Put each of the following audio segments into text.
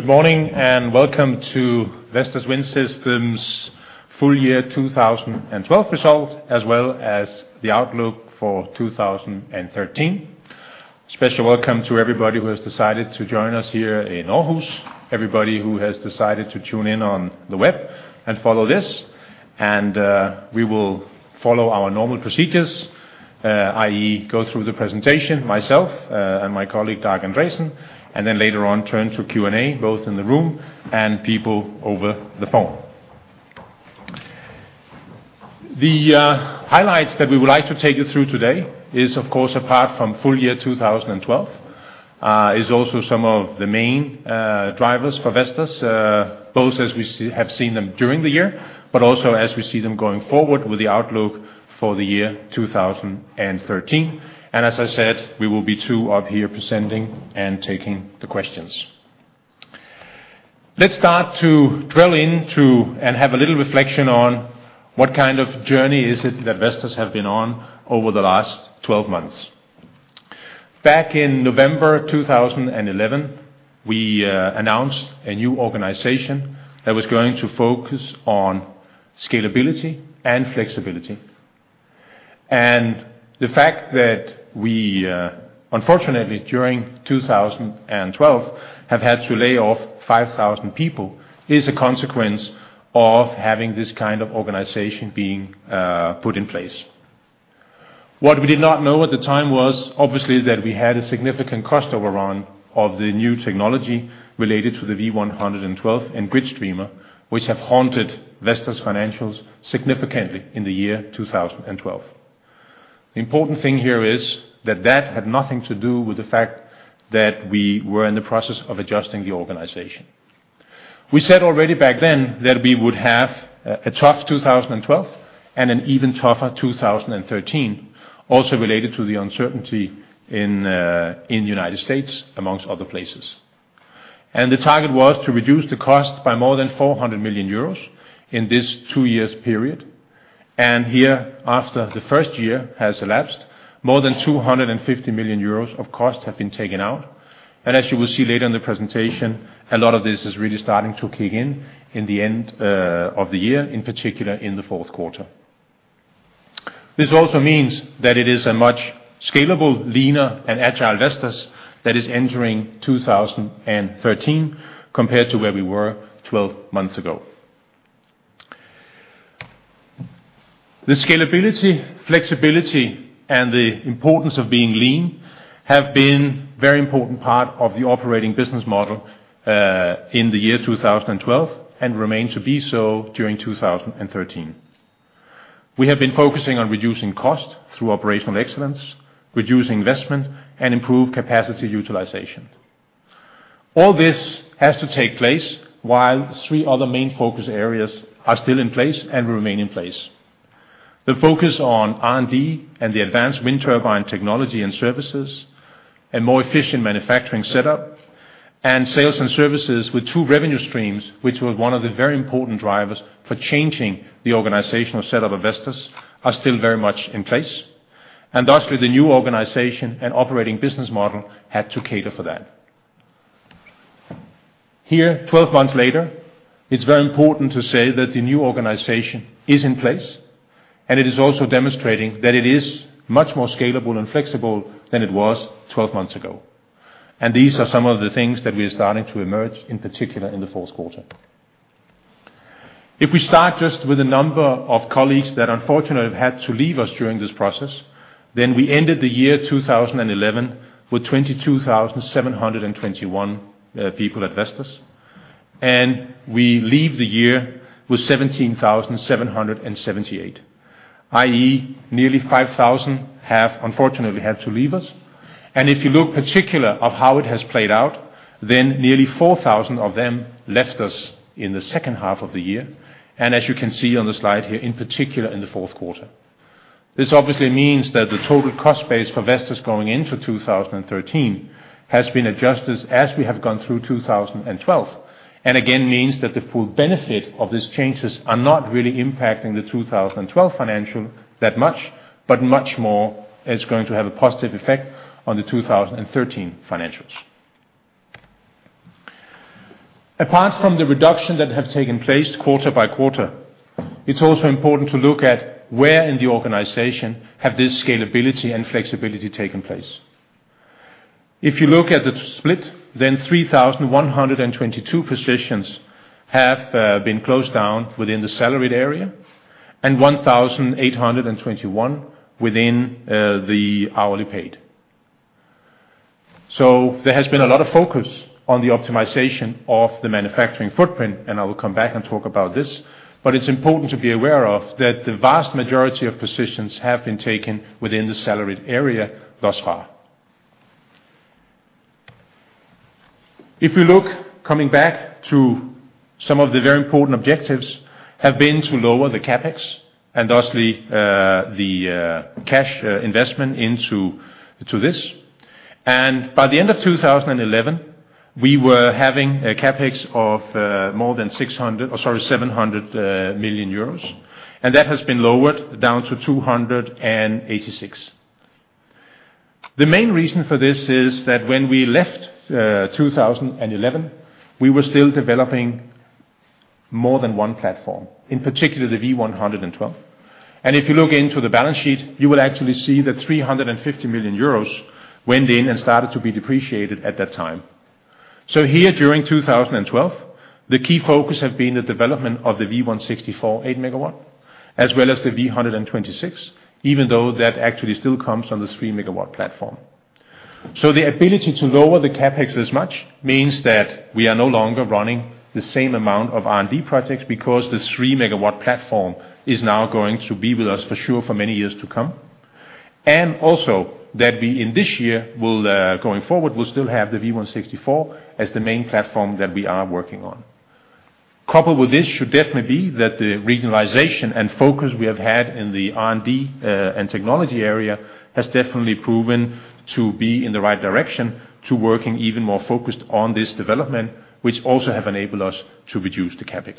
Good morning, and welcome to Vestas Wind Systems' full year 2012 result, as well as the outlook for 2013. Special welcome to everybody who has decided to join us here in Aarhus, everybody who has decided to tune in on the web and follow this. And, we will follow our normal procedures, i.e., go through the presentation, myself, and my colleague, Dag Andresen, and then later on turn to Q&A, both in the room and people over the phone. The highlights that we would like to take you through today is, of course, apart from full year 2012, is also some of the main drivers for Vestas, both as we have seen them during the year, but also as we see them going forward with the outlook for the year 2013. And as I said, we will be two up here presenting and taking the questions. Let's start to drill into and have a little reflection on what kind of journey is it that Vestas have been on over the last 12 months. Back in November 2011, we announced a new organization that was going to focus on scalability and flexibility. And the fact that we, unfortunately, during 2012, have had to lay off 5,000 people, is a consequence of having this kind of organization being put in place. What we did not know at the time was, obviously, that we had a significant cost overrun of the new technology related to the V112 and GridStreamer, which have haunted Vestas' financials significantly in the year 2012. The important thing here is that that had nothing to do with the fact that we were in the process of adjusting the organization. We said already back then that we would have a tough 2012, and an even tougher 2013, also related to the uncertainty in the United States, amongst other places. The target was to reduce the cost by more than 400 million euros in this two years period. Here, after the first year has elapsed, more than 250 million euros of costs have been taken out. And as you will see later in the presentation, a lot of this is really starting to kick in, in the end of the year, in particular, in the fourth quarter. This also means that it is a much scalable, leaner, and agile Vestas that is entering 2013, compared to where we were twelve months ago. The scalability, flexibility, and the importance of being lean have been very important part of the operating business model, in the year 2012, and remain to be so during 2013. We have been focusing on reducing costs through operational excellence, reducing investment, and improve capacity utilization. All this has to take place while three other main focus areas are still in place and remain in place. The focus on R&D and the advanced wind turbine technology and services, and more efficient manufacturing setup, and sales and services with two revenue streams, which were one of the very important drivers for changing the organizational setup of Vestas, are still very much in place. And thus, with the new organization and operating business model had to cater for that. Here, 12 months later, it's very important to say that the new organization is in place, and it is also demonstrating that it is much more scalable and flexible than it was 12 months ago. These are some of the things that we are starting to emerge, in particular, in the fourth quarter. If we start just with a number of colleagues that unfortunately have had to leave us during this process, then we ended the year 2011 with 22,721 people at Vestas, and we leave the year with 17,778, i.e., nearly 5,000 have unfortunately had to leave us. If you look particular of how it has played out, then nearly 4,000 of them left us in the second half of the year, and as you can see on the slide here, in particular, in the fourth quarter. This obviously means that the total cost base for Vestas going into 2013 has been adjusted as we have gone through 2012. And again, means that the full benefit of these changes are not really impacting the 2012 financial that much, but much more is going to have a positive effect on the 2013 financials. Apart from the reduction that have taken place quarter by quarter, it's also important to look at where in the organization have this scalability and flexibility taken place. If you look at the split, then 3,122 positions have been closed down within the salaried area, and 1,821 within the hourly paid. So there has been a lot of focus on the optimization of the manufacturing footprint, and I will come back and talk about this. But it's important to be aware of, that the vast majority of positions have been taken within the salaried area, thus far. If we look, coming back to some of the very important objectives, have been to lower the CapEx, and thus the, the, cash, investment into, to this. And by the end of 2011, we were having a CapEx of, more than 600, or sorry, 700, 700 million euros, and that has been lowered down to 286 million. The main reason for this is that when we left, 2011, we were still developing more than one platform, in particular, the V112. And if you look into the balance sheet, you will actually see that 350 million euros went in and started to be depreciated at that time. So here, during 2012, the key focus have been the development of the V164 8 MW, as well as the V126, even though that actually still comes on the 3 MW platform. So the ability to lower the CapEx this much, means that we are no longer running the same amount of R&D projects, because the 3 MW platform is now going to be with us for sure, for many years to come. And also, that we, in this year, will, going forward, will still have the V164 as the main platform that we are working on. Coupled with this, should definitely be that the regionalization and focus we have had in the R&D and technology area, has definitely proven to be in the right direction to working even more focused on this development, which also have enabled us to reduce the CapEx.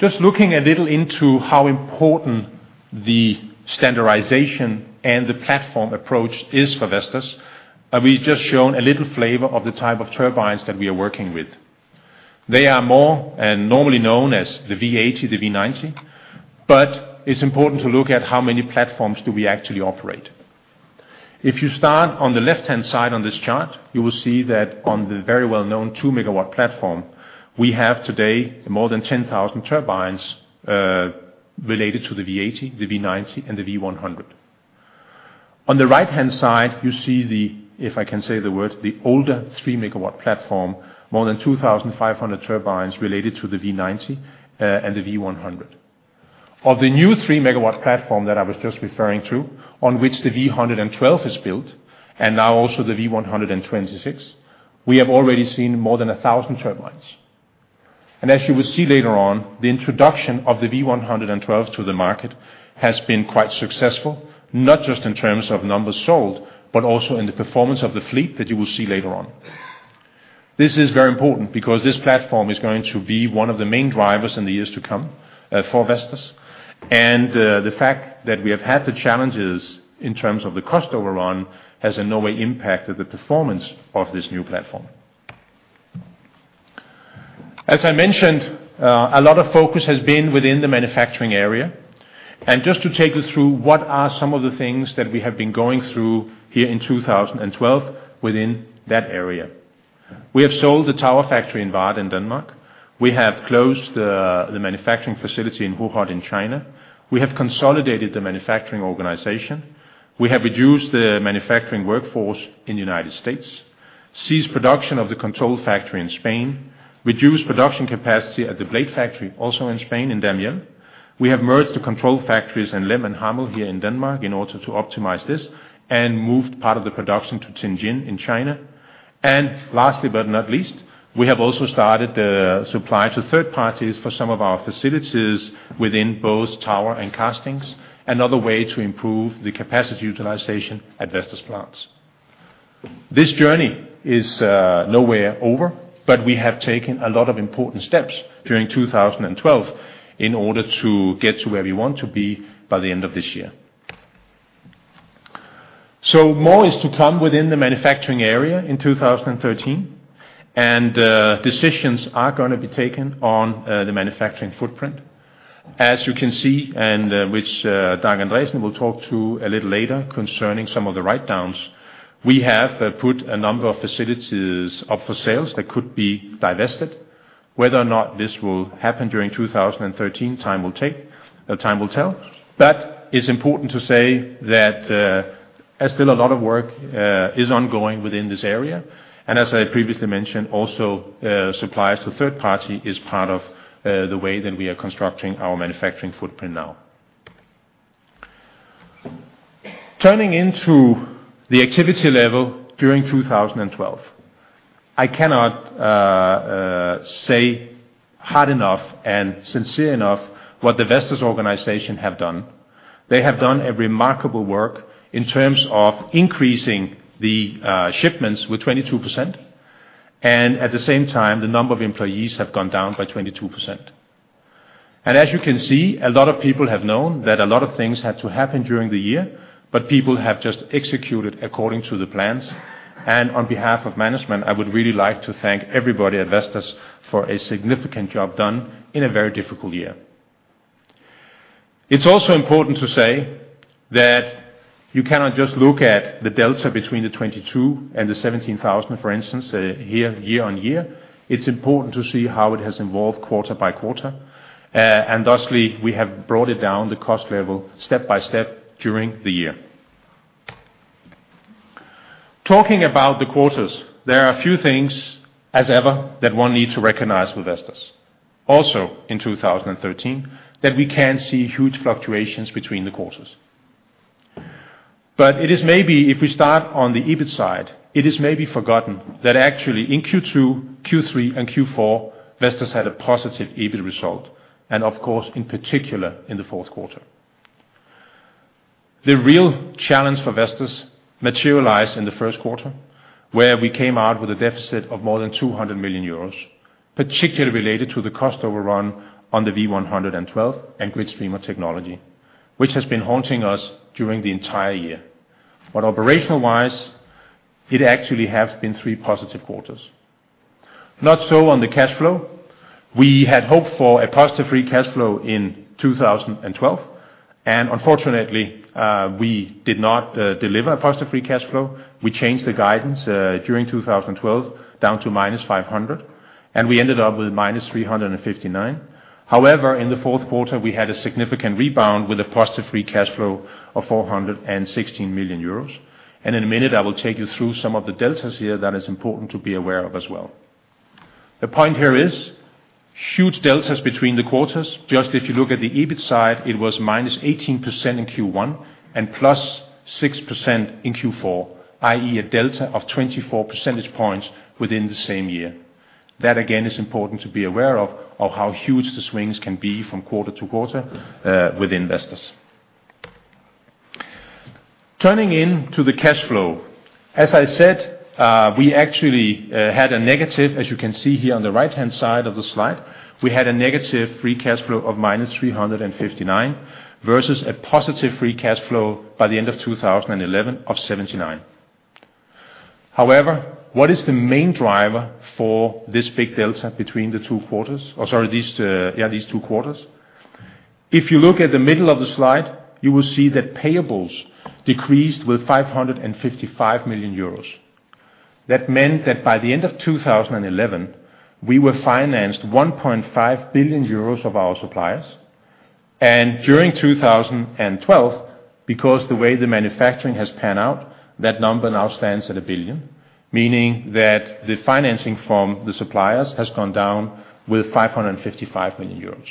Just looking a little into how important the standardization and the platform approach is for Vestas, we've just shown a little flavor of the type of turbines that we are working with. They are more and normally known as the V80, the V90, but it's important to look at how many platforms do we actually operate. If you start on the left-hand side on this chart, you will see that on the very well-known 2 MW platform, we have today, more than 10,000 turbines, related to the V80, the V90, and the V100. On the right-hand side, you see the, if I can say the word, the older 3 MW platform, more than 2,500 turbines related to the V90, and the V100. Of the new 3 MW platform that I was just referring to, on which the V112 is built, and now also the V126, we have already seen more than 1,000 turbines. And as you will see later on, the introduction of the V112 to the market has been quite successful, not just in terms of numbers sold, but also in the performance of the fleet that you will see later on. This is very important, because this platform is going to be one of the main drivers in the years to come, for Vestas. And, the fact that we have had the challenges in terms of the cost overrun, has in no way impacted the performance of this new platform. As I mentioned, a lot of focus has been within the manufacturing area, and just to take you through what are some of the things that we have been going through here in 2012 within that area. We have sold the tower factory in Varde, in Denmark. We have closed the manufacturing facility in Hohhot, in China. We have consolidated the manufacturing organization. We have reduced the manufacturing workforce in the United States, ceased production of the control factory in Spain, reduced production capacity at the blade factory, also in Spain, in Daimiel. We have merged the control factories in Lem and Hammel, here in Denmark, in order to optimize this, and moved part of the production to Tianjin, in China. And lastly, but not least, we have also started supply to third parties for some of our facilities within both tower and castings, another way to improve the capacity utilization at Vestas plants. This journey is nowhere over, but we have taken a lot of important steps during 2012 in order to get to where we want to be by the end of this year. So more is to come within the manufacturing area in 2013, and decisions are gonna be taken on the manufacturing footprint. As you can see, and which Dag Andresen will talk to a little later, concerning some of the writedowns, we have put a number of facilities up for sales that could be divested. Whether or not this will happen during 2013, time will tell. It's important to say that there's still a lot of work is ongoing within this area. As I previously mentioned, also, suppliers to third party is part of the way that we are constructing our manufacturing footprint now. Turning into the activity level during 2012. I cannot say hard enough and sincere enough what the Vestas organization have done. They have done a remarkable work in terms of increasing the shipments with 22%, and at the same time, the number of employees have gone down by 22%. As you can see, a lot of people have known that a lot of things had to happen during the year, but people have just executed according to the plans. On behalf of management, I would really like to thank everybody at Vestas for a significant job done in a very difficult year. It's also important to say that you cannot just look at the delta between the 22 and the 17,000, for instance, year on year. It's important to see how it has evolved quarter by quarter. And thusly, we have brought it down, the cost level, step by step during the year. Talking about the quarters, there are a few things, as ever, that one needs to recognize with Vestas. Also, in 2013, that we can see huge fluctuations between the quarters. But it is maybe, if we start on the EBIT side, it is maybe forgotten that actually in Q2, Q3, and Q4, Vestas had a positive EBIT result, and of course, in particular, in the fourth quarter. The real challenge for Vestas materialized in the first quarter, where we came out with a deficit of more than 200 million euros, particularly related to the cost overrun on the V112 and in GridStreamer technology, which has been haunting us during the entire year. But operational-wise, it actually has been three positive quarters. Not so on the cash flow. We had hoped for a positive free cash flow in 2012, and unfortunately, we did not deliver a positive free cash flow. We changed the guidance during 2012, down to -500 million, and we ended up with -359 million. However, in the fourth quarter, we had a significant rebound with a positive free cash flow of 416 million euros. In a minute, I will take you through some of the deltas here that is important to be aware of as well. The point here is, huge deltas between the quarters. Just if you look at the EBIT side, it was -18% in Q1 and +6% in Q4, i.e., a delta of 24 percentage points within the same year. That, again, is important to be aware of, of how huge the swings can be from quarter to quarter with investors. Turning to the cash flow. As I said, we actually had a negative, as you can see here on the right-hand side of the slide, we had a negative free cash flow of -359, versus a positive free cash flow by the end of 2011 of 79. However, what is the main driver for this big delta between the two quarters? Or sorry, these two quarters. If you look at the middle of the slide, you will see that payables decreased with 555 million euros. That meant that by the end of 2011, we were financed 1.5 billion euros of our suppliers. And during 2012, because the way the manufacturing has panned out, that number now stands at a billion, meaning that the financing from the suppliers has gone down with 555 million euros.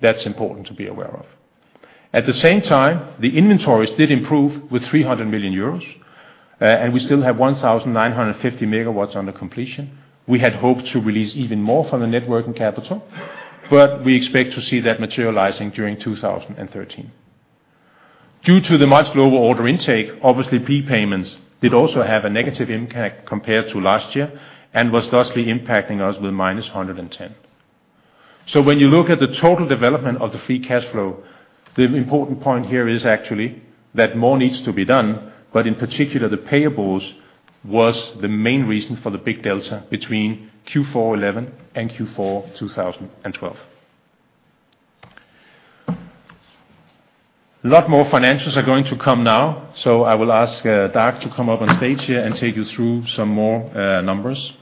That's important to be aware of. At the same time, the inventories did improve with 300 million euros, and we still have 1,950 MW under completion. We had hoped to release even more from the net working capital, but we expect to see that materializing during 2013. Due to the much lower order intake, obviously, prepayments did also have a negative impact compared to last year and was thusly impacting us with -110. So when you look at the total development of the free cash flow, the important point here is actually that more needs to be done, but in particular, the payables was the main reason for the big delta between Q4 2011 and Q4 2012. A lot more financials are going to come now, so I will ask, Dag to come up on stage here and take you through some more, numbers.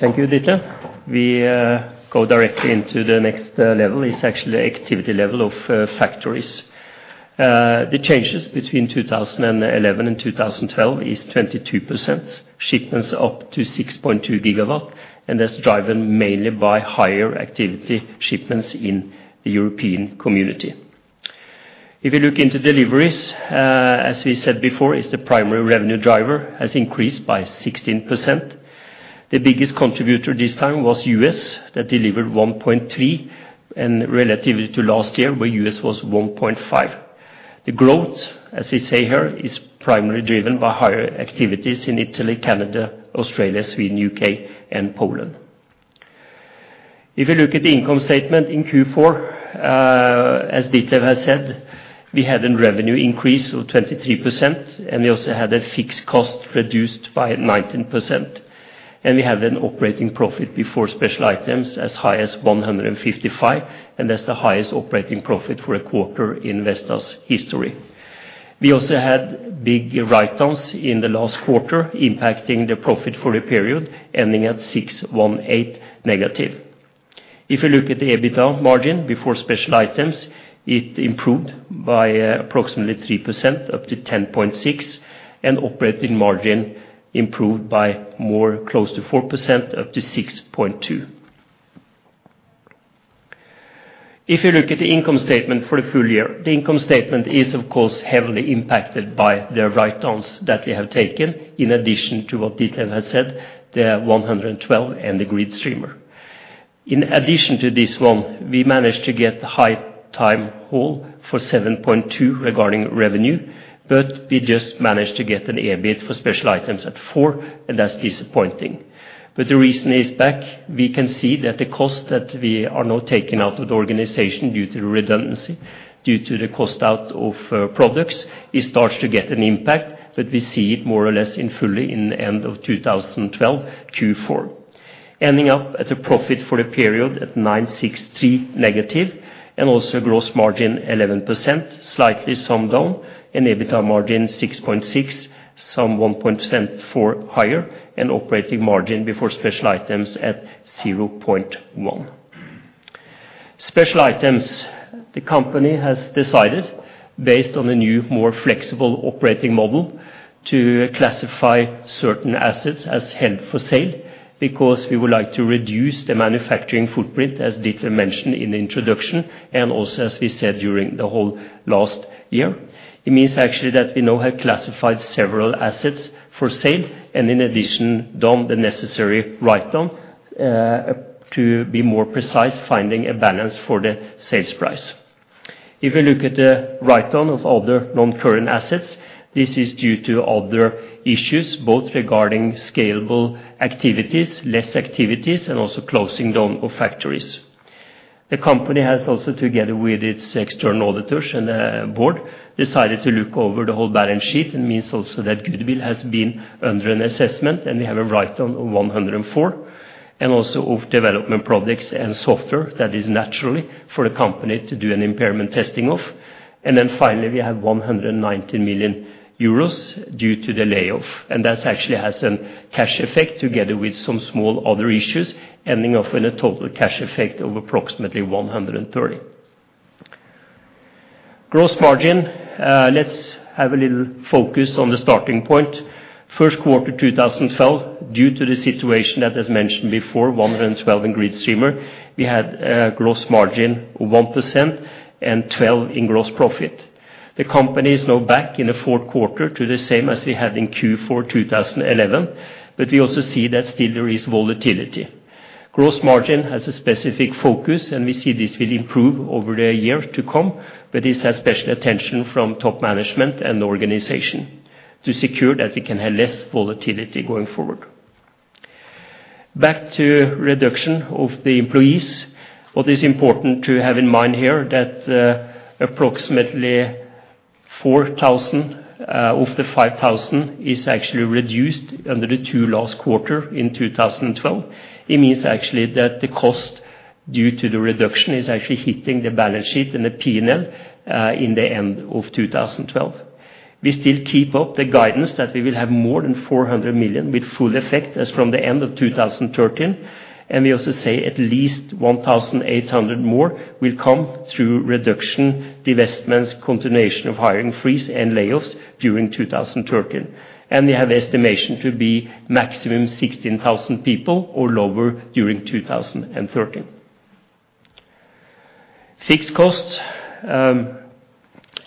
Thank you, Ditlev. We go directly into the next level. It's actually the activity level of factories. The changes between 2011 and 2012 is 22%. Shipments up to 6.2 GW, and that's driven mainly by higher activity shipments in the European community. If you look into deliveries, as we said before, it's the primary revenue driver, has increased by 16%. The biggest contributor this time was US, that delivered 1.3, and relatively to last year, where US was 1.5. The growth, as we say here, is primarily driven by higher activities in Italy, Canada, Australia, Sweden, UK, and Poland. If you look at the income statement in Q4, as Ditlev has said, we had a revenue increase of 23%, and we also had a fixed cost reduced by 19%. We had an operating profit before special items as high as 155, and that's the highest operating profit for a quarter in Vestas' history. We also had big write-downs in the last quarter, impacting the profit for the period, ending at -618. If you look at the EBITDA margin before special items, it improved by approximately 3%, up to 10.6%, and operating margin improved by more close to 4%, up to 6.2%. If you look at the income statement for the full year, the income statement is, of course, heavily impacted by the write-downs that we have taken, in addition to what Ditlev has said, the 112 and the GridStreamer. In addition to this one, we managed to get EBITDA for 7.2 regarding revenue, but we just managed to get an EBIT for special items at 4, and that's disappointing. But the reason is that, we can see that the cost that we are now taking out of the organization due to the redundancy, due to the cost out of products, it starts to get an impact, but we see it more or less fully in the end of 2012, Q4. Ending up at a profit for the period at -963, and also gross margin 11%, slightly some down, and EBITDA margin 6.6%, some one point percent higher, and operating margin before special items at 0.1%. Special items. The company has decided, based on a new, more flexible operating model, to classify certain assets as held for sale, because we would like to reduce the manufacturing footprint, as Ditlev mentioned in the introduction, and also, as we said during the whole last year. It means actually that we now have classified several assets for sale, and in addition, done the necessary write-down, to be more precise, finding a balance for the sales price. If you look at the write-down of other non-current assets, this is due to other issues, both regarding scalable activities, less activities, and also closing down of factories. The company has also, together with its external auditors and the board, decided to look over the whole balance sheet, and means also that goodwill has been under an assessment, and we have a write-down of 104 million, and also of development projects and software that is naturally for the company to do an impairment testing of. Then finally, we have 190 million euros due to the layoff, and that's actually has a cash effect together with some small other issues, ending up in a total cash effect of approximately 130 million. Gross margin, let's have a little focus on the starting point. First quarter 2012, due to the situation that was mentioned before, 112 million in GridStreamer, we had a gross margin of 1% and 12 in gross profit. The company is now back in the fourth quarter to the same as we had in Q4 2011, but we also see that still there is volatility. Gross margin has a specific focus, and we see this will improve over the year to come, but this has special attention from top management and the organization to secure that we can have less volatility going forward. Back to reduction of the employees. What is important to have in mind here that, approximately 4,000, of the 5,000 is actually reduced under the two last quarter in 2012. It means actually that the cost due to the reduction is actually hitting the balance sheet and the P&L, in the end of 2012. We still keep up the guidance that we will have more than 400 million with full effect as from the end of 2013, and we also say at least 1,800 million more will come through reduction, divestments, continuation of hiring freeze, and layoffs during 2013. We have estimation to be maximum 16,000 people or lower during 2013. Fixed costs,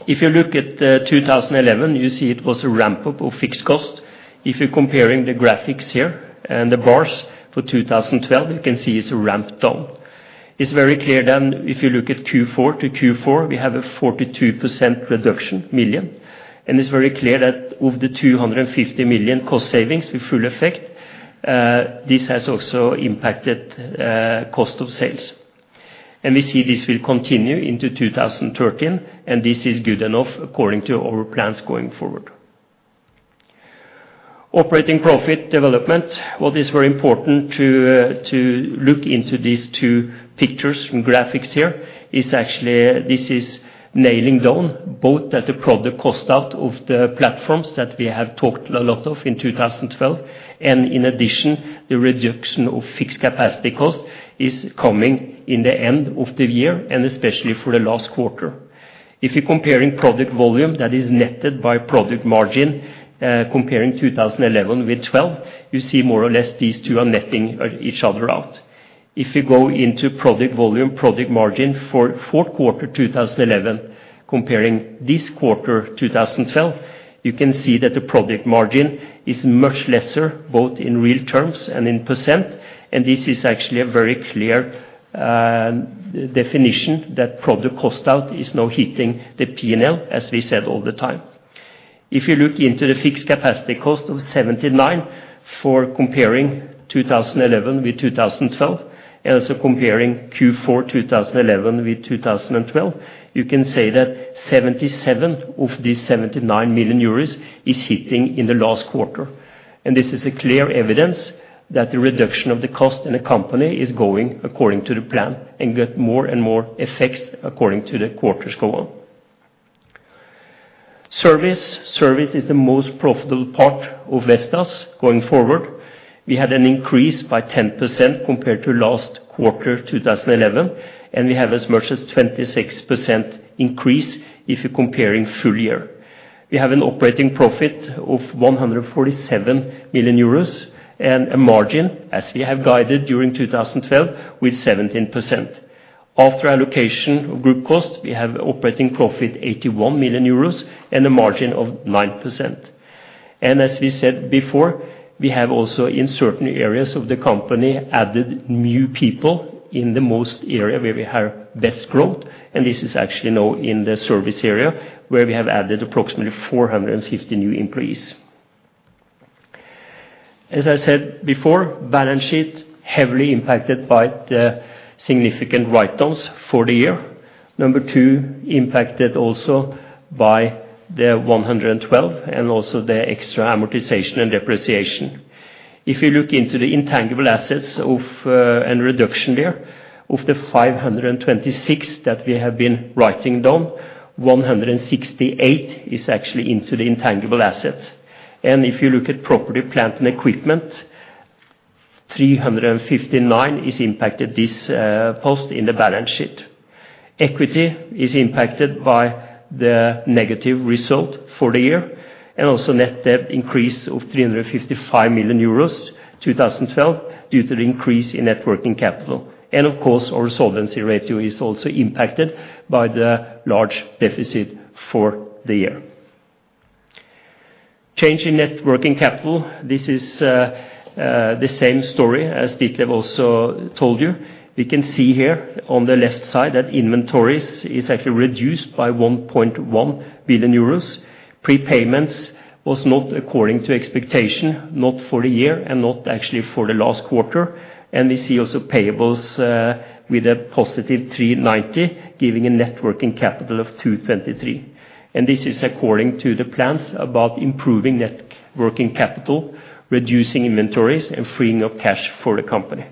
if you look at the 2011, you see it was a ramp-up of fixed cost. If you're comparing the graphics here and the bars for 2012, you can see it's ramped down. It's very clear then, if you look at Q4 to Q4, we have a 42% reduction million, and it's very clear that of the 250 million cost savings with full effect, this has also impacted, cost of sales. And we see this will continue into 2013, and this is good enough according to our plans going forward. Operating profit development. What is very important to, to look into these two pictures and graphics here is actually this is nailing down both at the product cost out of the platforms that we have talked a lot of in 2012, and in addition, the reduction of fixed capacity cost is coming in the end of the year, and especially for the last quarter. If you're comparing product volume, that is netted by product margin, comparing 2011 with 2012, you see more or less these two are netting each other out. If you go into product volume, product margin for fourth quarter 2011, comparing this quarter, 2012, you can see that the product margin is much lesser, both in real terms and in percent, and this is actually a very clear definition that product cost out is now hitting the P&L, as we said all the time. If you look into the fixed capacity cost of 79 million comparing 2011 with 2012, and also comparing Q4 2011 with 2012, you can say that 77 of these 79 million euros is hitting in the last quarter. This is a clear evidence that the reduction of the cost in the company is going according to the plan and get more and more effects according to the quarters go on. Service. Service is the most profitable part of Vestas going forward. We had an increase by 10% compared to last quarter, 2011, and we have as much as 26% increase if you're comparing full year. We have an operating profit of 147 million euros and a margin, as we have guided during 2012, with 17%. After allocation of group cost, we have operating profit 81 million euros and a margin of 9%. As we said before, we have also, in certain areas of the company, added new people in the most area where we have best growth, and this is actually now in the service area, where we have added approximately 450 new employees. As I said before, balance sheet heavily impacted by the significant write-downs for the year. Number two, impacted also by the V112, and also the extra amortization and depreciation. If you look into the intangible assets of, and reduction there, of the 526 that we have been writing down, 168 is actually into the intangible assets. If you look at property, plant, and equipment, 359 is impacted this post in the balance sheet. Equity is impacted by the negative result for the year, and also net debt increase of 355 million euros in 2012, due to the increase in net working capital. Of course, our solvency ratio is also impacted by the large deficit for the year. Change in net working capital, this is the same story as Ditlev also told you. We can see here on the left side that inventories is actually reduced by 1.1 billion euros. Prepayments was not according to expectation, not for the year, and not actually for the last quarter. We see also payables with a positive 390 million, giving a net working capital of 223 million. This is according to the plans about improving net working capital, reducing inventories, and freeing up cash for the company.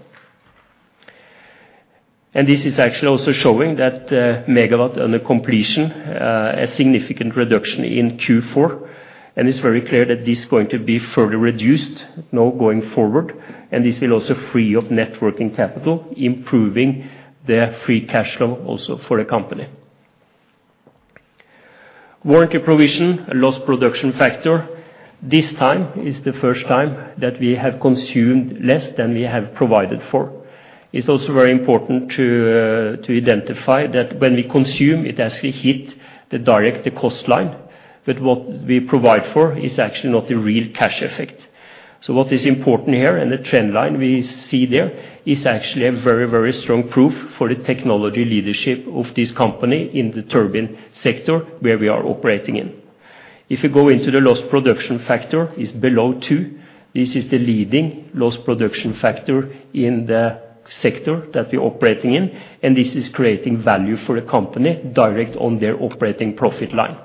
And this is actually also showing that, megawatt under completion, a significant reduction in Q4, and it's very clear that this is going to be further reduced now going forward, and this will also free up net working capital, improving the free cash flow also for the company. Warranty provision, Lost Production Factor. This time is the first time that we have consumed less than we have provided for. It's also very important to, to identify that when we consume, it actually hit the direct, the cost line, but what we provide for is actually not the real cash effect. So what is important here, and the trend line we see there, is actually a very, very strong proof for the technology leadership of this company in the turbine sector, where we are operating in. If you go into the Lost Production Factor, it's below two. This is the leading lost production factor in the sector that we're operating in, and this is creating value for the company direct on their operating profit line.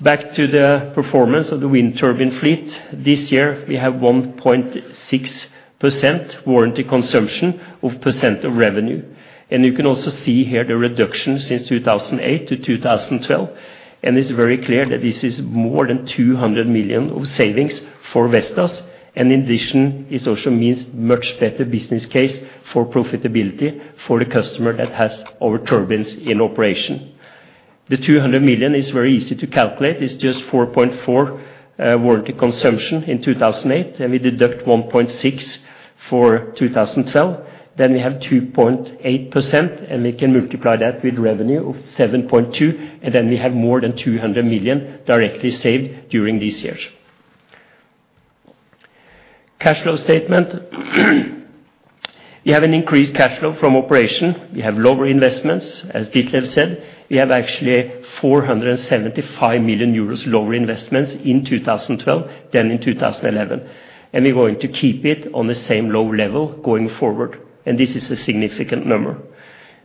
Back to the performance of the wind turbine fleet. This year, we have 1.6% warranty consumption of percent of revenue. And you can also see here the reduction since 2008 to 2012, and it's very clear that this is more than 200 million of savings for Vestas. And in addition, this also means much better business case for profitability for the customer that has our turbines in operation. The 200 million is very easy to calculate. It's just 4.4 warranty consumption in 2008, and we deduct 1.6 for 2012. Then we have 2.8%, and we can multiply that with revenue of 7.2, and then we have more than 200 million directly saved during these years. Cash flow statement. We have an increased cash flow from operation. We have lower investments, as Ditlev said. We have actually 475 million euros lower investments in 2012 than in 2011, and we're going to keep it on the same low level going forward, and this is a significant number.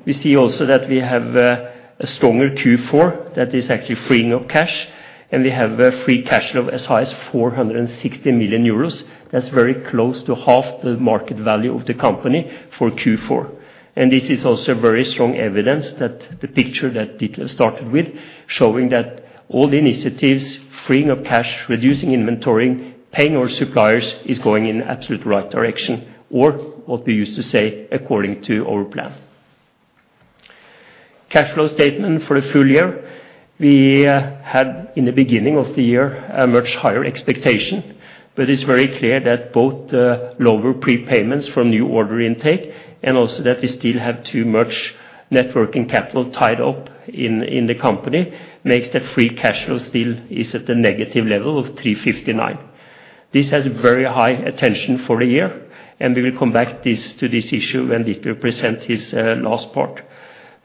We see also that we have a stronger Q4 that is actually freeing up cash, and we have a free cash flow as high as 460 million euros. That's very close to half the market value of the company for Q4. This is also very strong evidence that the picture that Ditlev started with, showing that all the initiatives, freeing up cash, reducing inventory, paying our suppliers, is going in the absolute right direction, or what we used to say, according to our plan. Cash flow statement for the full year. We had, in the beginning of the year, a much higher expectation, but it's very clear that both the lower prepayments from new order intake, and also that we still have too much net working capital tied up in the company, makes the free cash flow still is at a negative level of 359 million. This has very high attention for the year, and we will come back to this issue when Ditlev presents his last part.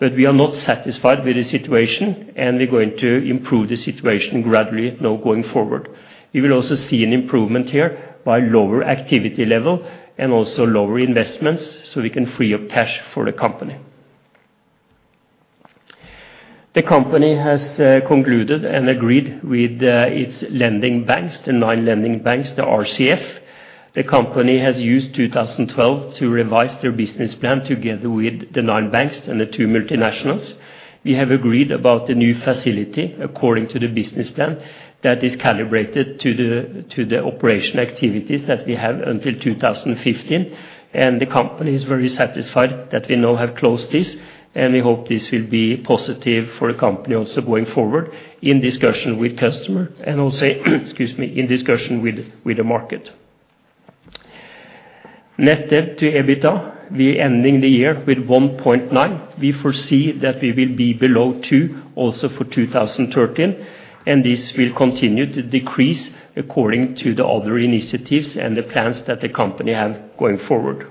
We are not satisfied with the situation, and we're going to improve the situation gradually now going forward. We will also see an improvement here by lower activity level and also lower investments, so we can free up cash for the company. The company has concluded and agreed with its lending banks, the nine lending banks, the RCF. The company has used 2012 to revise their business plan together with the nine banks and the two multinationals. We have agreed about the new facility according to the business plan that is calibrated to the operation activities that we have until 2015. The company is very satisfied that we now have closed this, and we hope this will be positive for the company also going forward in discussion with customer, and also, excuse me, in discussion with the market. Net debt to EBITDA, we ending the year with 1.9. We foresee that we will be below two also for 2013, and this will continue to decrease according to the other initiatives and the plans that the company have going forward.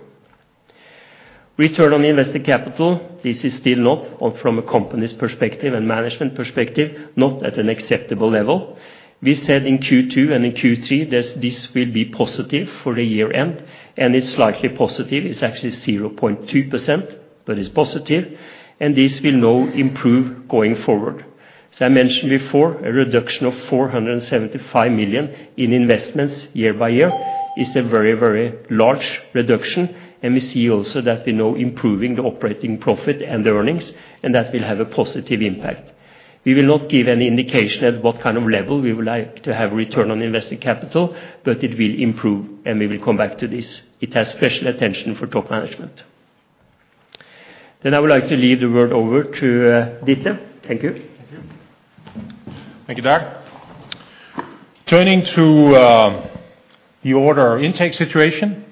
Return on invested capital, this is still not, from a company's perspective and management perspective, not at an acceptable level. We said in Q2 and in Q3, this will be positive for the year-end, and it's slightly positive. It's actually 0.2%, but it's positive, and this will now improve going forward. As I mentioned before, a reduction of 475 million in investments year by year is a very, very large reduction. And we see also that we know improving the operating profit and the earnings, and that will have a positive impact. We will not give any indication at what kind of level we would like to have return on invested capital, but it will improve, and we will come back to this. It has special attention for top management. Then I would like to leave the word over to Ditlev. Thank you. Thank you, Dag. Turning to the order intake situation.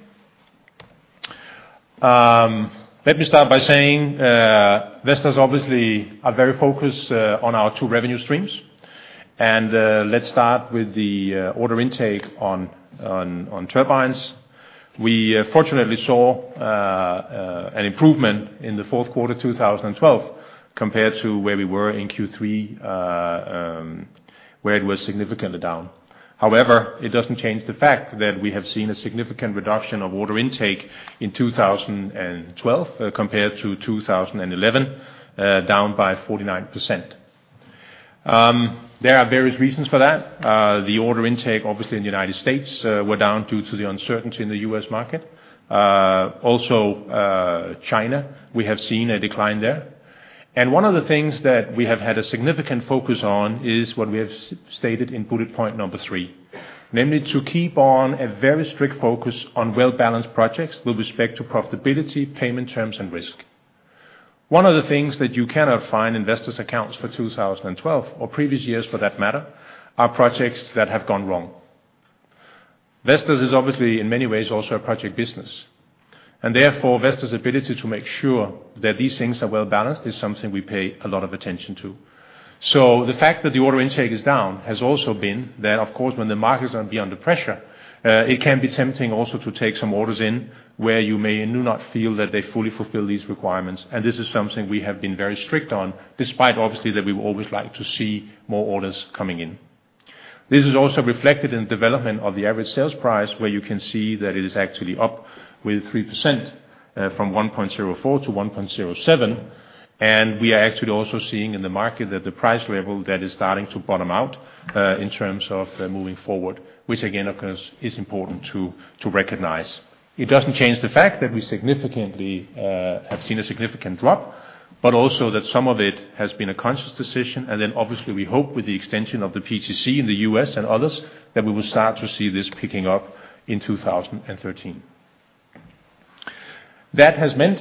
Let me start by saying, Vestas obviously are very focused on our two revenue streams. And let's start with the order intake on turbines. We fortunately saw an improvement in the fourth quarter, 2012, compared to where we were in Q3, where it was significantly down. However, it doesn't change the fact that we have seen a significant reduction of order intake in 2012, compared to 2011, down by 49%. There are various reasons for that. The order intake, obviously, in the United States, were down due to the uncertainty in the U.S. market. China, we have seen a decline there. One of the things that we have had a significant focus on is what we have stated in bullet point number three, namely, to keep on a very strict focus on well-balanced projects with respect to profitability, payment terms, and risk. One of the things that you cannot find in Vestas accounts for 2012, or previous years for that matter, are projects that have gone wrong. Vestas is obviously, in many ways, also a project business, and therefore, Vestas' ability to make sure that these things are well-balanced is something we pay a lot of attention to. So the fact that the order intake is down, has also been that, of course, when the market is under pressure, it can be tempting also to take some orders in, where you may not feel that they fully fulfill these requirements. This is something we have been very strict on, despite, obviously, that we would always like to see more orders coming in. This is also reflected in development of the average sales price, where you can see that it is actually up with 3%, from 1.04-1.07. And we are actually also seeing in the market that the price level that is starting to bottom out in terms of moving forward, which again, of course, is important to recognize. It doesn't change the fact that we significantly have seen a significant drop, but also that some of it has been a conscious decision. And then, obviously, we hope with the extension of the PTC in the U.S. and others, that we will start to see this picking up in 2013. That has meant,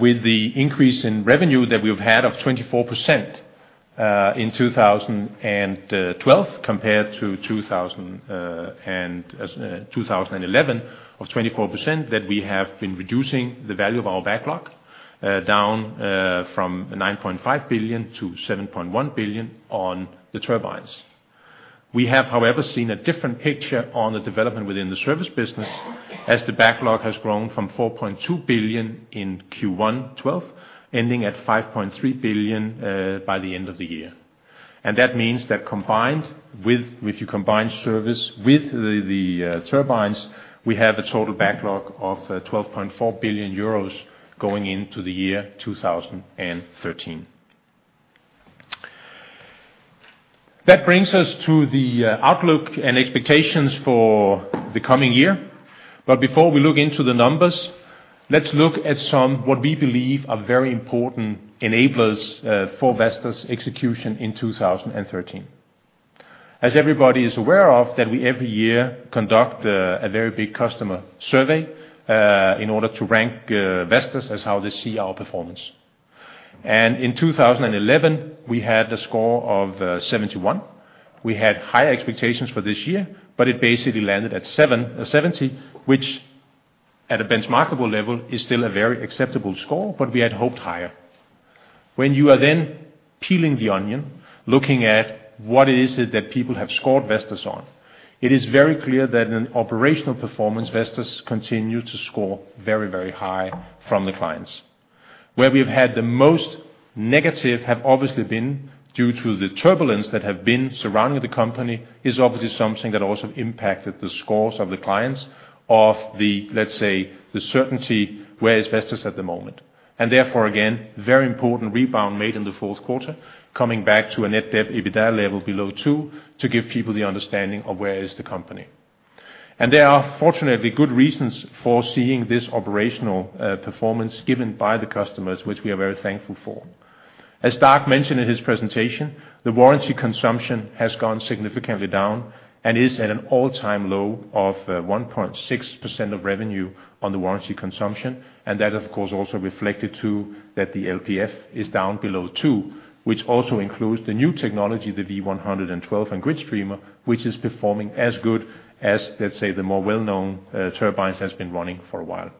with the increase in revenue that we've had of 24%, in 2012, compared to 2011, of 24%, that we have been reducing the value of our backlog, down, from 9.5 billion to 7.1 billion on the turbines. We have, however, seen a different picture on the development within the service business, as the backlog has grown from 4.2 billion in Q1 2012, ending at 5.3 billion, by the end of the year. And that means that combined with- if you combine service with the turbines, we have a total backlog of 12.4 billion euros going into the year 2013. That brings us to the outlook and expectations for the coming year. But before we look into the numbers, let's look at some, what we believe are very important enablers, for Vestas' execution in 2013. As everybody is aware of, that we every year conduct, a very big customer survey, in order to rank, Vestas as how they see our performance. And in 2011, we had a score of, 71. We had higher expectations for this year, but it basically landed at seventy, which at a benchmarkable level, is still a very acceptable score, but we had hoped higher. When you are then peeling the onion, looking at what is it that people have scored Vestas on, it is very clear that in operational performance, Vestas continue to score very, very high from the clients. Where we've had the most negative have obviously been due to the turbulence that have been surrounding the company is obviously something that also impacted the scores of the clients of the, let's say, the certainty where is Vestas at the moment. And therefore, again, very important rebound made in the fourth quarter, coming back to a net debt EBITDA level below two, to give people the understanding of where is the company. And there are fortunately good reasons for seeing this operational performance given by the customers, which we are very thankful for. As Dag mentioned in his presentation, the warranty consumption has gone significantly down, and is at an all-time low of 1.6% of revenue on the warranty consumption. That, of course, also reflected, too, that the LPF is down below 2, which also includes the new technology, the V112 and in GridStreamer, which is performing as good as, let's say, the more well-known turbines has been running for a while.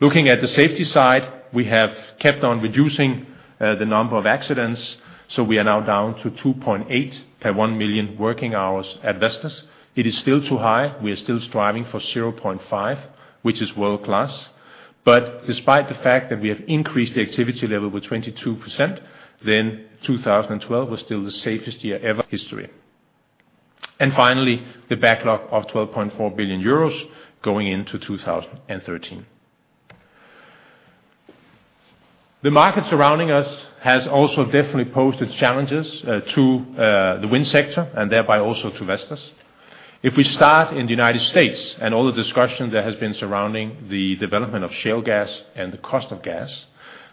Looking at the safety side, we have kept on reducing the number of accidents, so we are now down to 2.8 per 1 million working hours at Vestas. It is still too high. We are still striving for 0.5, which is world-class. But despite the fact that we have increased the activity level with 22%, then 2012 was still the safest year ever history. And finally, the backlog of 12.4 billion euros going into 2013. The market surrounding us has also definitely posed its challenges to the wind sector and thereby also to Vestas. If we start in the United States and all the discussion that has been surrounding the development of shale gas and the cost of gas,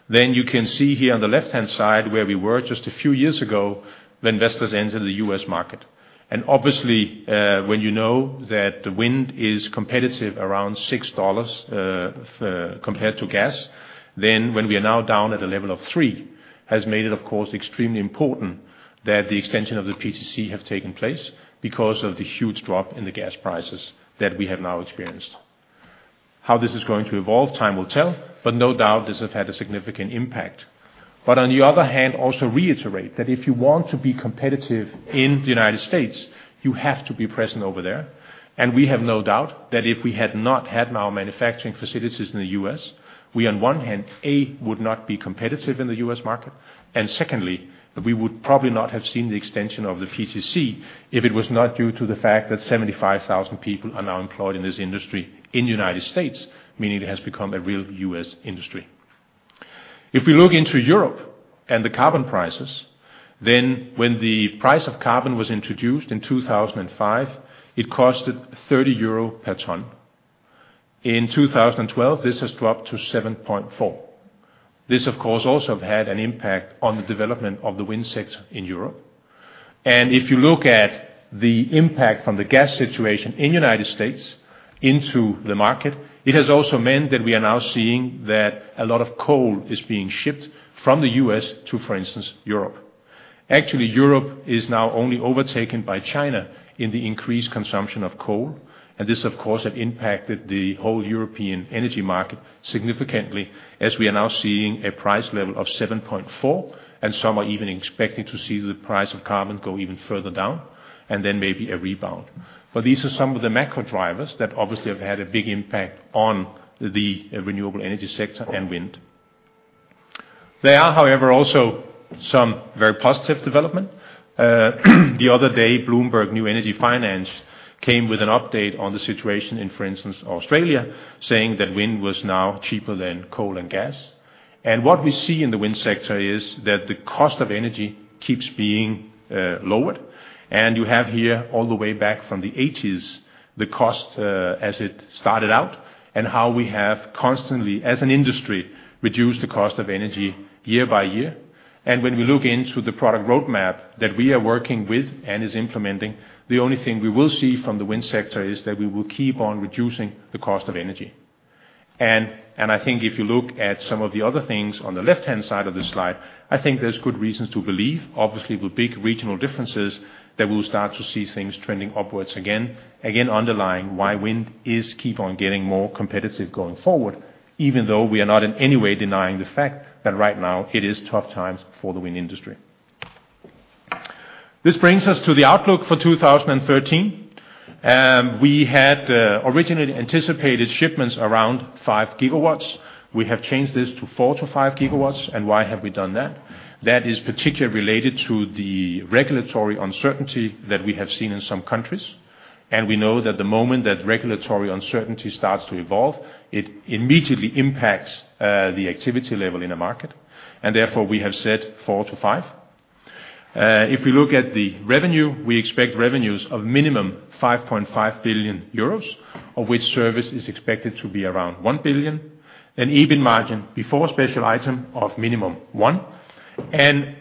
then you can see here on the left-hand side, where we were just a few years ago, when Vestas entered the U.S. market. And obviously, when you know that the wind is competitive around $6 compared to gas, then when we are now down at a level of $3, has made it, of course, extremely important that the extension of the PTC has taken place because of the huge drop in the gas prices that we have now experienced.... How this is going to evolve, time will tell, but no doubt, this has had a significant impact. But on the other hand, also reiterate that if you want to be competitive in the United States, you have to be present over there. And we have no doubt that if we had not had our manufacturing facilities in the US, we on one hand, A, would not be competitive in the US market, and secondly, we would probably not have seen the extension of the PTC, if it was not due to the fact that 75,000 people are now employed in this industry in the United States, meaning it has become a real US industry. If we look into Europe and the carbon prices, then when the price of carbon was introduced in 2005, it costed 30 euro per ton. In 2012, this has dropped to 7.4. This, of course, also have had an impact on the development of the wind sector in Europe. And if you look at the impact from the gas situation in United States into the market, it has also meant that we are now seeing that a lot of coal is being shipped from the U.S. to, for instance, Europe. Actually, Europe is now only overtaken by China in the increased consumption of coal, and this, of course, have impacted the whole European energy market significantly, as we are now seeing a price level of 7.4, and some are even expecting to see the price of carbon go even further down, and then maybe a rebound. But these are some of the macro drivers that obviously have had a big impact on the renewable energy sector and wind. There are, however, also some very positive development. The other day, Bloomberg New Energy Finance came with an update on the situation in, for instance, Australia, saying that wind was now cheaper than coal and gas. What we see in the wind sector is that the cost of energy keeps being lowered. You have here, all the way back from the 1980s, the cost as it started out, and how we have constantly, as an industry, reduced the cost of energy year by year. When we look into the product roadmap that we are working with and is implementing, the only thing we will see from the wind sector is that we will keep on reducing the cost of energy. and I think if you look at some of the other things on the left-hand side of the slide, I think there's good reasons to believe, obviously, with big regional differences, that we'll start to see things trending upwards again. Again, underlying why wind is keep on getting more competitive going forward, even though we are not in any way denying the fact that right now it is tough times for the wind industry. This brings us to the outlook for 2013. We had originally anticipated shipments around 5 GW. We have changed this to 4-5 GW. And why have we done that? That is particularly related to the regulatory uncertainty that we have seen in some countries. We know that the moment that regulatory uncertainty starts to evolve, it immediately impacts the activity level in a market, and therefore, we have said 4-5. If we look at the revenue, we expect revenues of minimum 5.5 billion euros, of which service is expected to be around 1 billion. An EBIT margin before special item of minimum 1%, and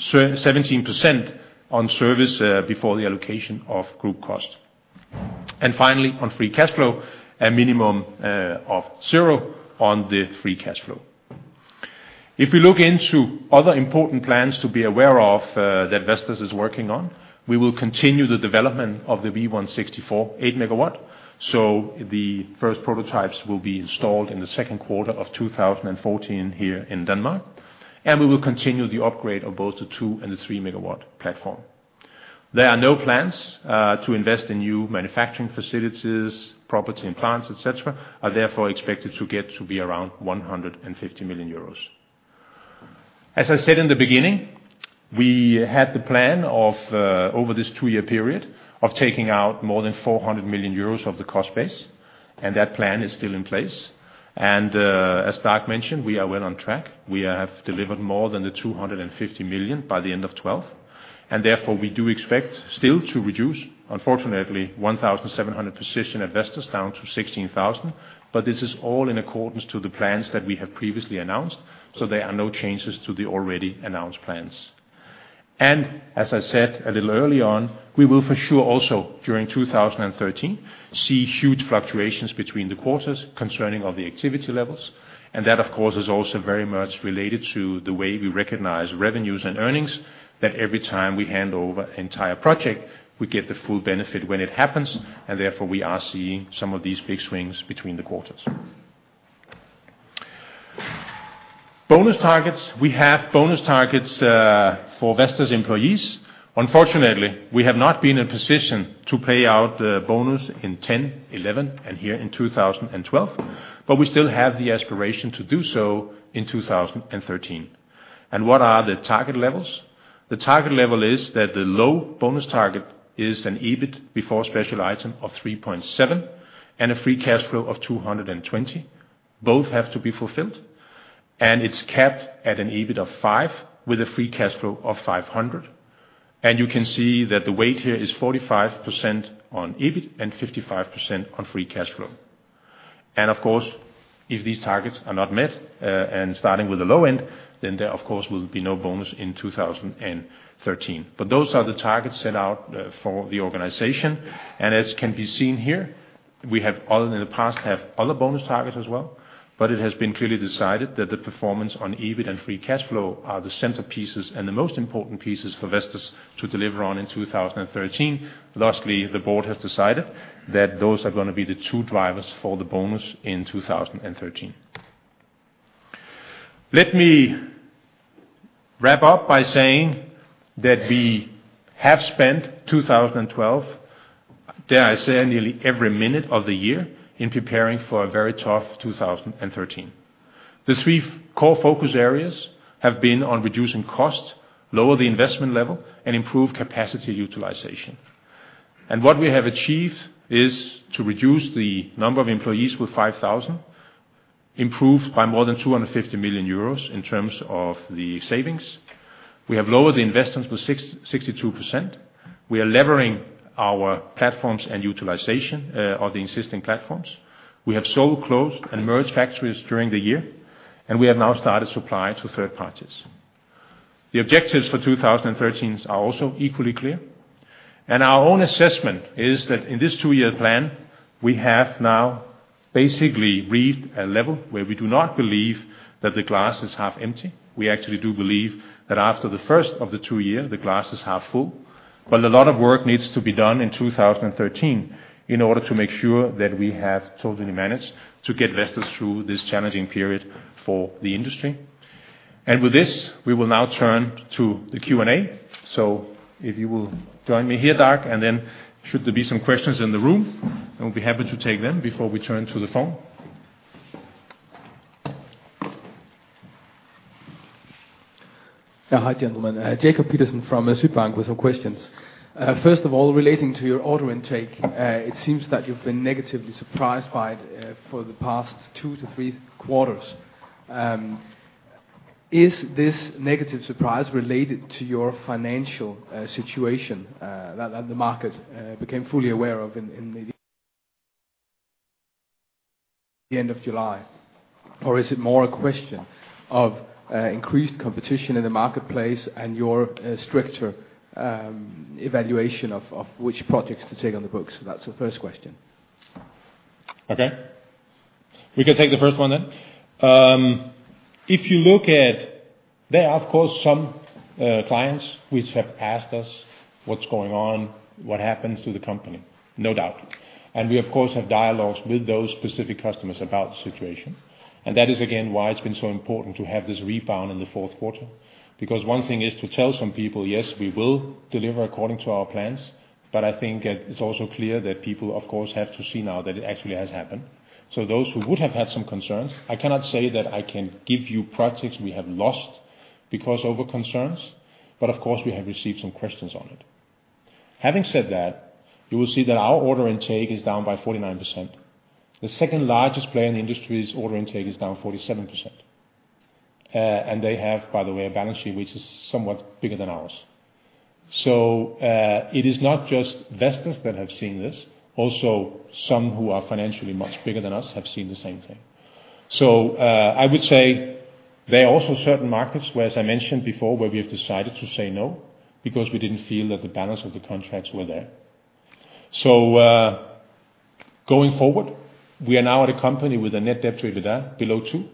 17% on service, before the allocation of group cost. And finally, on free cash flow, a minimum of 0 on the free cash flow. If we look into other important plans to be aware of that Vestas is working on, we will continue the development of the V164 8 MW, so the first prototypes will be installed in the second quarter of 2014 here in Denmark, and we will continue the upgrade of both the 2 MW and the 3 MW platform. There are no plans to invest in new manufacturing facilities; property and plants, etc., are therefore expected to be around 150 million euros. As I said in the beginning, we had the plan of, over this two-year period, of taking out more than 400 million euros of the cost base, and that plan is still in place. As Dag mentioned, we are well on track. We have delivered more than 250 million by the end of 2012, and therefore, we do expect still to reduce, unfortunately, 1,700 positions at Vestas down to 16,000, but this is all in accordance to the plans that we have previously announced, so there are no changes to the already announced plans. And as I said a little early on, we will for sure also, during 2013, see huge fluctuations between the quarters concerning of the activity levels. And that, of course, is also very much related to the way we recognize revenues and earnings, that every time we hand over entire project, we get the full benefit when it happens, and therefore, we are seeing some of these big swings between the quarters. Bonus targets. We have bonus targets for Vestas employees. Unfortunately, we have not been in a position to pay out the bonus in 2010, 2011, and here in 2012, but we still have the aspiration to do so in 2013. What are the target levels? The target level is that the low bonus target is an EBIT before special item of 3.7, and a free cash flow of 220. Both have to be fulfilled, and it's capped at an EBIT of 5, with a free cash flow of 500. You can see that the weight here is 45% on EBIT and 55% on free cash flow. Of course, if these targets are not met, and starting with the low end, then there, of course, will be no bonus in 2013. But those are the targets set out for the organization. And as can be seen here, we have all in the past have other bonus targets as well, but it has been clearly decided that the performance on EBIT and free cash flow are the centerpieces and the most important pieces for Vestas to deliver on in 2013. Lastly, the board has decided that those are going to be the two drivers for the bonus in 2013. Let me wrap up by saying that we have spent 2012, dare I say, nearly every minute of the year, in preparing for a very tough 2013. The three core focus areas have been on reducing costs, lower the investment level, and improve capacity utilization. What we have achieved is to reduce the number of employees with 5,000, improved by more than 250 million euros in terms of the savings. We have lowered the investments with 62%. We are levering our platforms and utilization of the existing platforms. We have so closed and merged factories during the year, and we have now started supply to third parties. The objectives for 2013 are also equally clear, and our own assessment is that in this two-year plan, we have now basically reached a level where we do not believe that the glass is half empty. We actually do believe that after the first of the two year, the glass is half full. A lot of work needs to be done in 2013 in order to make sure that we have totally managed to get Vestas through this challenging period for the industry. With this, we will now turn to the Q&A. If you will join me here, Dag, and then should there be some questions in the room, I will be happy to take them before we turn to the phone. Hi, gentlemen. Jacob Pedersen from Sydbank with some questions. First of all, relating to your order intake, it seems that you've been negatively surprised by it for the past 2-3 quarters. Is this negative surprise related to your financial situation that the market became fully aware of in maybe the end of July? Or is it more a question of increased competition in the marketplace and your stricter evaluation of which projects to take on the books? That's the first question. Okay. We can take the first one then. If you look at... There are, of course, some clients which have asked us, "What's going on? What happens to the company?" No doubt. And we, of course, have dialogues with those specific customers about the situation. And that is, again, why it's been so important to have this rebound in the fourth quarter. Because one thing is to tell some people, "Yes, we will deliver according to our plans," but I think it, it's also clear that people, of course, have to see now that it actually has happened. So those who would have had some concerns, I cannot say that I can give you projects we have lost because over concerns, but of course, we have received some questions on it. Having said that, you will see that our order intake is down by 49%. The second largest player in the industry's order intake is down 47%. And they have, by the way, a balance sheet which is somewhat bigger than ours. So, it is not just Vestas that have seen this. Also some who are financially much bigger than us have seen the same thing. So, I would say there are also certain markets, where, as I mentioned before, where we have decided to say no, because we didn't feel that the balance of the contracts were there. So, going forward, we are now at a company with a net debt to EBITDA below 2,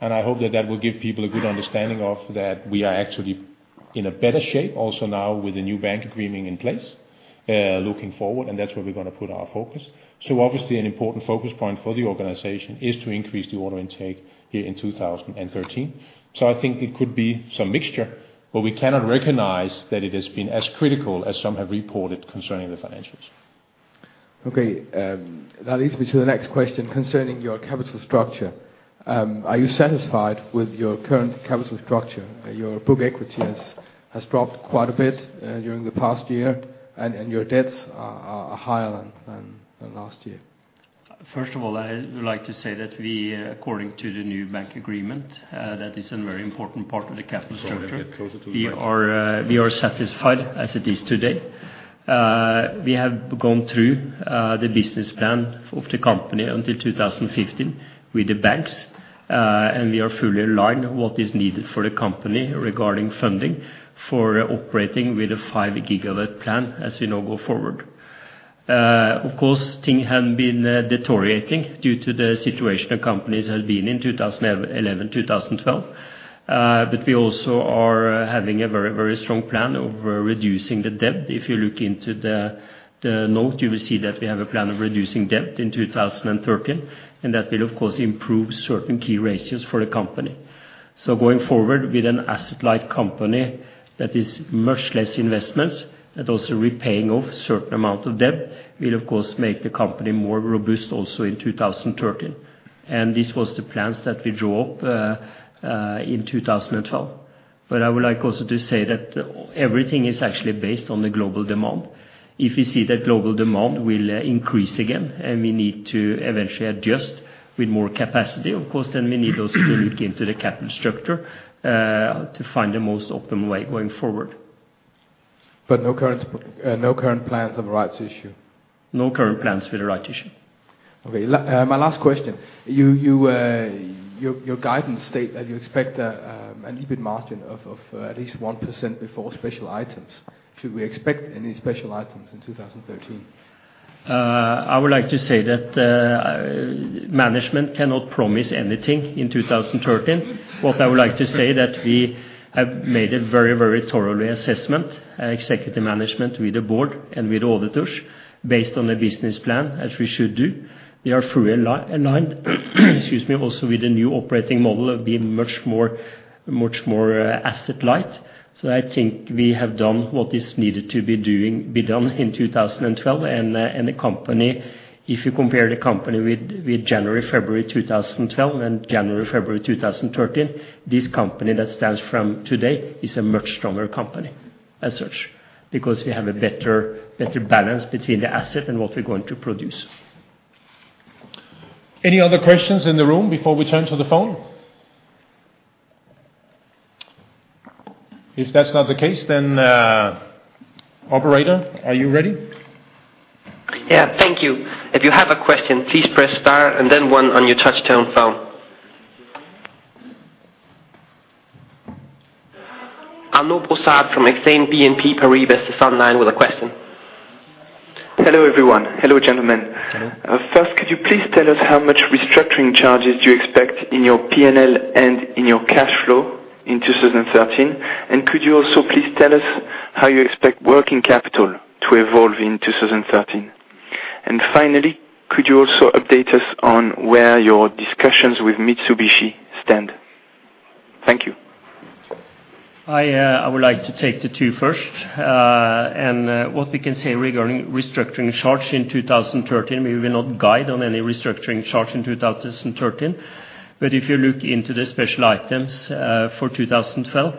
and I hope that that will give people a good understanding of that we are actually in a better shape also now with the new bank agreement in place, looking forward, and that's where we're gonna put our focus. Obviously, an important focus point for the organization is to increase the order intake here in 2013. I think it could be some mixture, but we cannot recognize that it has been as critical as some have reported concerning the financials. Okay, that leads me to the next question concerning your capital structure. Are you satisfied with your current capital structure? Your book equity has dropped quite a bit during the past year, and your debts are higher than last year. First of all, I would like to say that we, according to the new bank agreement, that is a very important part of the capital structure- Get closer to the mic. We are, we are satisfied as it is today. We have gone through, the business plan of the company until 2015 with the banks, and we are fully aligned what is needed for the company regarding funding for operating with a 5 GW plan, as we now go forward. Of course, things have been, deteriorating due to the situation the companies have been in 2011, 2012. But we also are having a very, very strong plan of reducing the debt. If you look into the, the note, you will see that we have a plan of reducing debt in 2013, and that will, of course, improve certain key ratios for the company. Going forward with an asset-light company, that is much less investments, and also repaying off certain amount of debt, will of course, make the company more robust also in 2013. This was the plans that we drew up in 2012. But I would like also to say that everything is actually based on the global demand. If we see that global demand will increase again, and we need to eventually adjust with more capacity, of course, then we need also to look into the capital structure to find the most optimal way going forward. But no current plans of a rights issue? No current plans for the rights issue. Okay. My last question: your guidance state that you expect an EBIT margin of at least 1% before special items. Should we expect any special items in 2013? I would like to say that, management cannot promise anything in 2013. What I would like to say that we have made a very, very thorough assessment, executive management with the board and with auditors based on a business plan, as we should do. We are fully aligned, excuse me, also with the new operating model of being much more, much more asset light. So I think we have done what is needed to be done in 2012. And the company, if you compare the company with January, February 2012, and January, February 2013, this company that stands from today is a much stronger company, as such. Because we have a better, better balance between the asset and what we're going to produce. Any other questions in the room before we turn to the phone? If that's not the case, then, operator, are you ready? Yeah. Thank you. If you have a question, please press Star and then One on your touchtone phone. Arnaud Brossard from Exane BNP Paribas is online with a question. Hello, everyone. Hello, gentlemen. Hello. First, could you please tell us how much restructuring charges do you expect in your P&L and in your cash flow in 2013? And could you also please tell us how you expect working capital to evolve in 2013? And finally, could you also update us on where your discussions with Mitsubishi stand? Thank you. I would like to take the two first. And what we can say regarding restructuring charge in 2013, we will not guide on any restructuring charge in 2013. But if you look into the special items for 2012,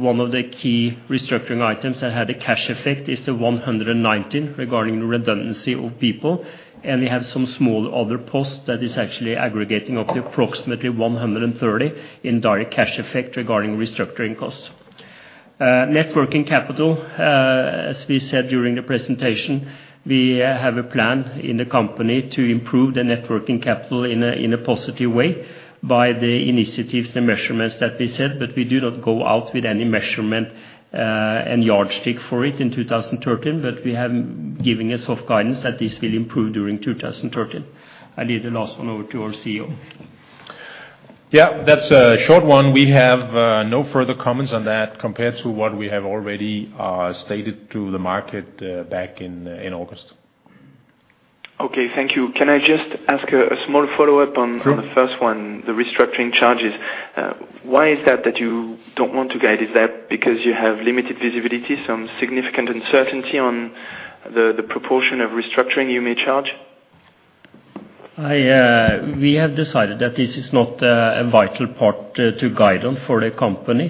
one of the key restructuring items that had a cash effect is the 119, regarding the redundancy of people. And we have some small other posts that is actually aggregating up to approximately 130 in direct cash effect regarding restructuring costs. Net working capital, as we said during the presentation, we have a plan in the company to improve the net working capital in a positive way by the initiatives and measurements that we said. But we do not go out with any measurement, and yardstick for it in 2013. But we have given a soft guidance that this will improve during 2013. I leave the last one over to our CEO. Yeah, that's a short one. We have no further comments on that, compared to what we have already stated to the market back in August. Okay, thank you. Can I just ask a small follow-up on- Sure... the first one, the restructuring charges? Why is that you don't want to guide? Is that because you have limited visibility, some significant uncertainty on the proportion of restructuring you may charge? I, we have decided that this is not a vital part to guide on for the company.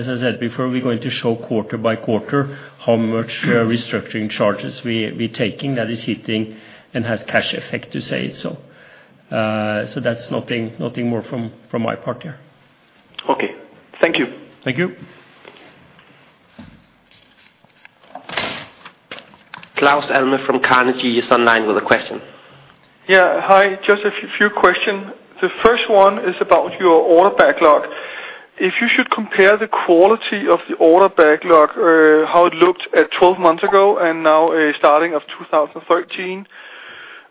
As I said before, we're going to show quarter by quarter how much restructuring charges we, we're taking that is hitting and has cash effect, to say it so. So that's nothing, nothing more from my part here. Okay. Thank you. Thank you. Claus Almer from Carnegie is online with a question. Yeah, hi. Just a few questions. The first one is about your order backlog. If you should compare the quality of the order backlog, how it looked 12 months ago, and now, starting of 2013,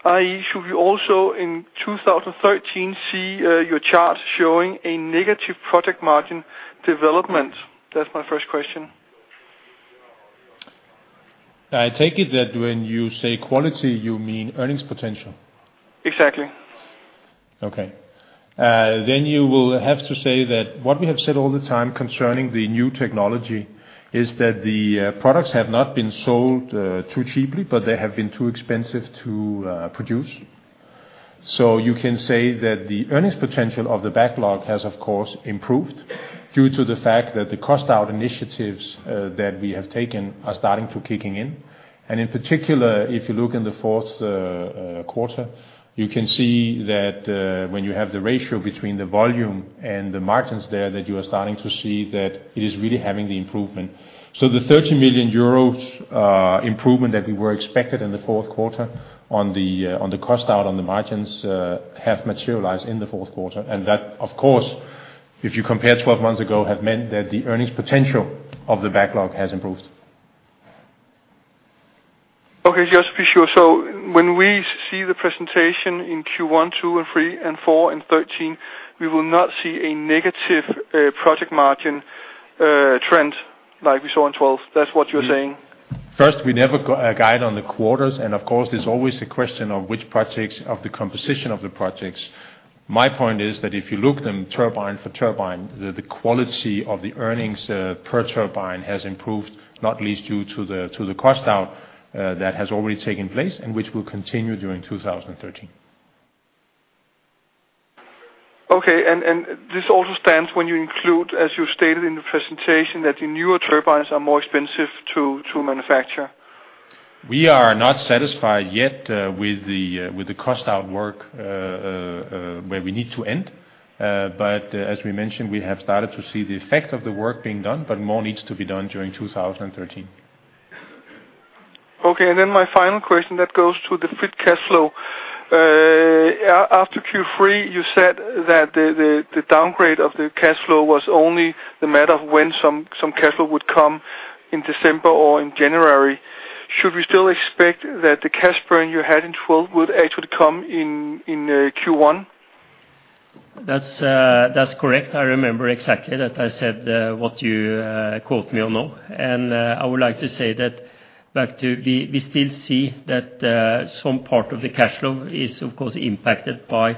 i.e., should we also, in 2013, see your charts showing a negative project margin development? That's my first question. I take it that when you say quality, you mean earnings potential. Exactly. Okay. Then you will have to say that what we have said all the time concerning the new technology is that the products have not been sold too cheaply, but they have been too expensive to produce. So you can say that the earnings potential of the backlog has, of course, improved due to the fact that the cost-out initiatives that we have taken are starting to kicking in. And in particular, if you look in the fourth quarter, you can see that when you have the ratio between the volume and the margins there, that you are starting to see that it is really having the improvement. So the 30 million euros improvement that we were expected in the fourth quarter on the cost-out, on the margins have materialized in the fourth quarter. That, of course, if you compare 12 months ago, have meant that the earnings potential of the backlog has improved. Okay, just to be sure. So when we see the presentation in Q1, 2, 3, and 4, in 2013, we will not see a negative project margin trend like we saw in 2012. That's what you're saying? First, we never guide on the quarters, and of course, there's always the question of which projects, of the composition of the projects. My point is that if you look them turbine for turbine, the quality of the earnings per turbine has improved, not least due to the cost-out that has already taken place, and which will continue during 2013. Okay. And this also stands when you include, as you stated in the presentation, that the newer turbines are more expensive to manufacture? We are not satisfied yet with the cost-out work where we need to end. But as we mentioned, we have started to see the effect of the work being done, but more needs to be done during 2013. Okay. And then my final question, that goes to the free cash flow. After Q3, you said that the downgrade of the cash flow was only the matter of when some cash flow would come in December or in January. Should we still expect that the cash burn you had in 2012 would actually come in Q1? ...That's correct. I remember exactly that I said what you quote me on now. And I would like to say that back to we, we still see that some part of the cash flow is, of course, impacted by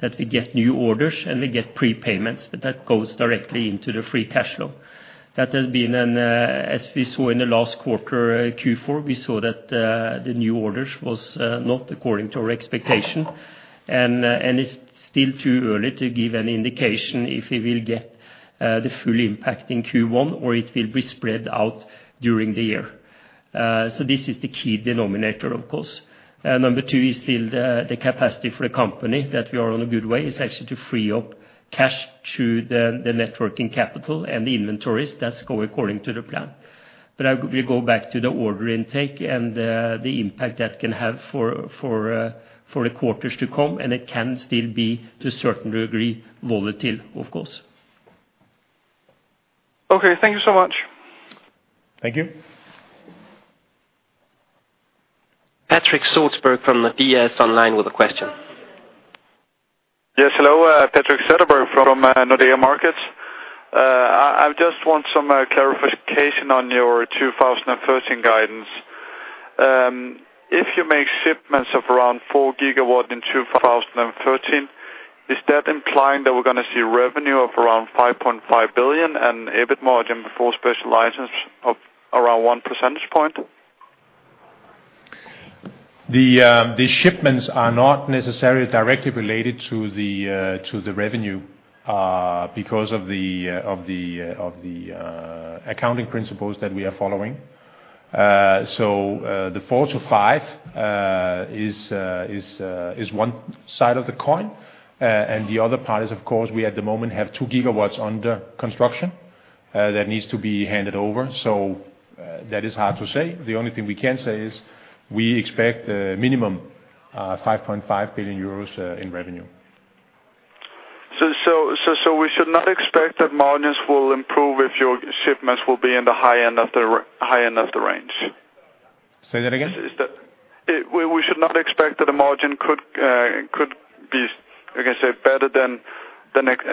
that we get new orders, and we get prepayments, but that goes directly into the free cash flow. That has been an, as we saw in the last quarter, Q4, we saw that the new orders was not according to our expectation. And it's still too early to give any indication if we will get the full impact in Q1, or it will be spread out during the year. So this is the key denominator, of course. Number two is still the capacity for the company that we are on a good way is actually to free up cash to the net working capital and the inventories. That's going according to the plan. But we'll go back to the order intake, and the impact that can have for the quarters to come, and it can still be, to a certain degree, volatile, of course. Okay, thank you so much. Thank you. Patrik Setterberg from Nordea Markets with a question. Yes, hello, Patrik Setterberg from Nordea Markets. I just want some clarification on your 2013 guidance. If you make shipments of around 4 gigawatt in 2013, is that implying that we're gonna see revenue of around 5.5 billion, and EBIT margin before special items of around 1 percentage point? The shipments are not necessarily directly related to the revenue because of the accounting principles that we are following. So, the 4-5 is one side of the coin. And the other part is, of course, we at the moment have 2 GW under construction that needs to be handed over. So, that is hard to say. The only thing we can say is we expect minimum 5.5 billion euros in revenue. So we should not expect that margins will improve if your shipments will be in the high end of the range? Say that again. Is that we should not expect that the margin could be, I can say, better than the next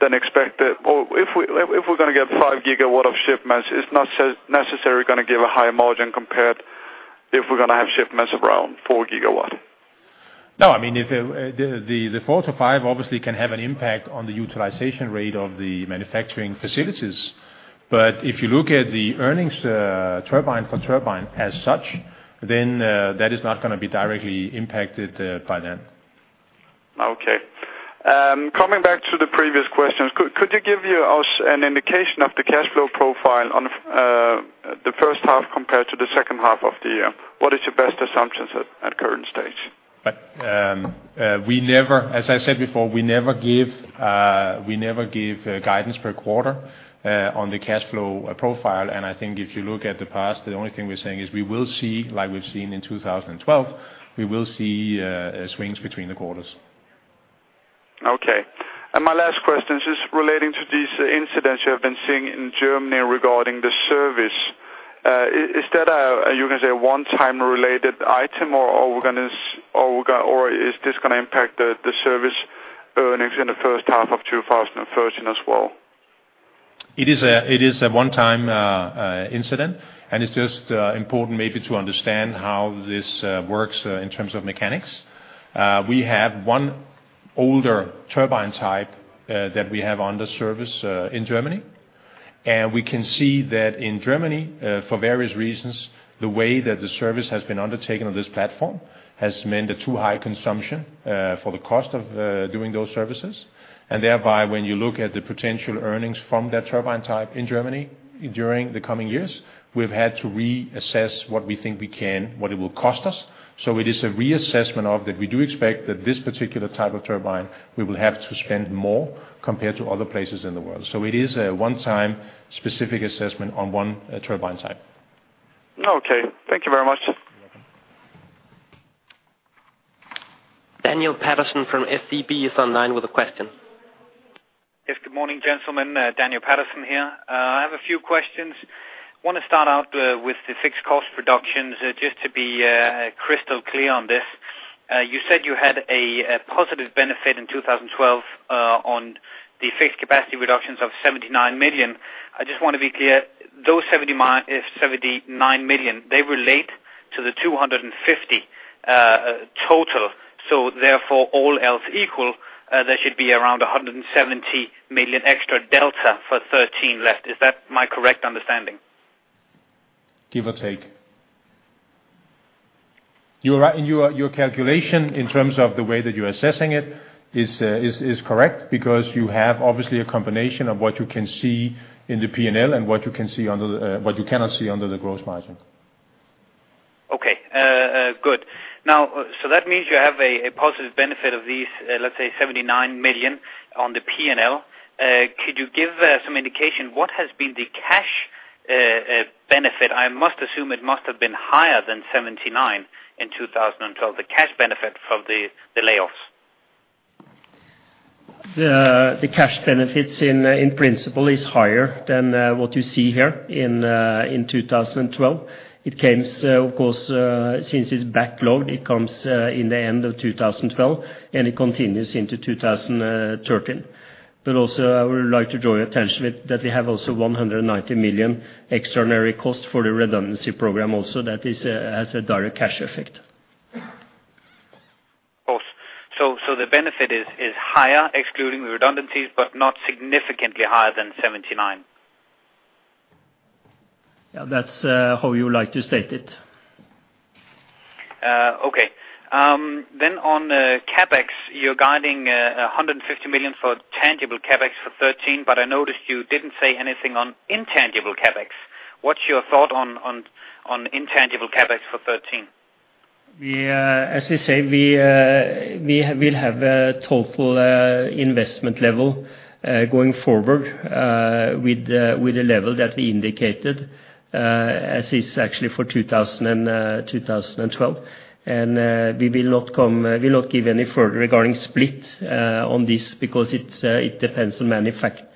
than expected, or if we're gonna get 5 GW of shipments, it's not necessary gonna give a higher margin compared if we're gonna have shipments around 4 GW? No, I mean, if the 4-5 obviously can have an impact on the utilization rate of the manufacturing facilities. But if you look at the earnings, turbine for turbine as such, then, that is not gonna be directly impacted by that. Okay. Coming back to the previous questions, could you give us an indication of the cash flow profile on the first half compared to the second half of the year? What is your best assumptions at current stage? But, as I said before, we never give guidance per quarter on the cash flow profile. And I think if you look at the past, the only thing we're saying is we will see, like we've seen in 2012, swings between the quarters. Okay. And my last question is just relating to this incident you have been seeing in Germany regarding the service. Is that a—you can say—a one-time related item, or is this gonna impact the service earnings in the first half of 2013 as well? It is a one-time incident, and it's just important maybe to understand how this works in terms of mechanics. We have one older turbine type that we have under service in Germany. And we can see that in Germany, for various reasons, the way that the service has been undertaken on this platform has meant a too high consumption for the cost of doing those services. And thereby, when you look at the potential earnings from that turbine type in Germany during the coming years, we've had to reassess what we think we can, what it will cost us. So it is a reassessment of that. We do expect that this particular type of turbine, we will have to spend more compared to other places in the world. It is a one-time specific assessment on one turbine type. Okay, thank you very much. Daniel Patterson from SEB is online with a question. Yes, good morning, gentlemen. Daniel Patterson here. I have a few questions. I wanna start out with the fixed cost reductions, just to be crystal clear on this. You said you had a positive benefit in 2012 on the fixed capacity reductions of 79 million. I just want to be clear, those 79 million, they relate to the 250 total. So therefore, all else equal, there should be around 170 million extra delta for 2013 left. Is that my correct understanding? Give or take. You are right, and your calculation in terms of the way that you're assessing it is correct, because you have obviously a combination of what you can see in the P&L and what you cannot see under the gross margin. Okay, good. Now, so that means you have a positive benefit of these, let's say, 79 million on the P&L. Could you give some indication, what has been the cash benefit? I must assume it must have been higher than 79 million in 2012, the cash benefit from the layoffs. ...The cash benefits in, in principle is higher than what you see here in 2012. It comes, of course, since it's backlogged, it comes in the end of 2012, and it continues into 2013. But also, I would like to draw your attention that we have also 190 million extraordinary cost for the redundancy program also, that is has a direct cash effect. Of course. So the benefit is higher, excluding the redundancies, but not significantly higher than 79? Yeah, that's how you like to state it. Okay. Then on CapEx, you're guiding 150 million for tangible CapEx for 2013, but I noticed you didn't say anything on intangible CapEx. What's your thought on intangible CapEx for 2013? As we say, we'll have a total investment level going forward with the level that we indicated, as is actually for 2012. We'll not give any further regarding split on this, because it depends on many factors,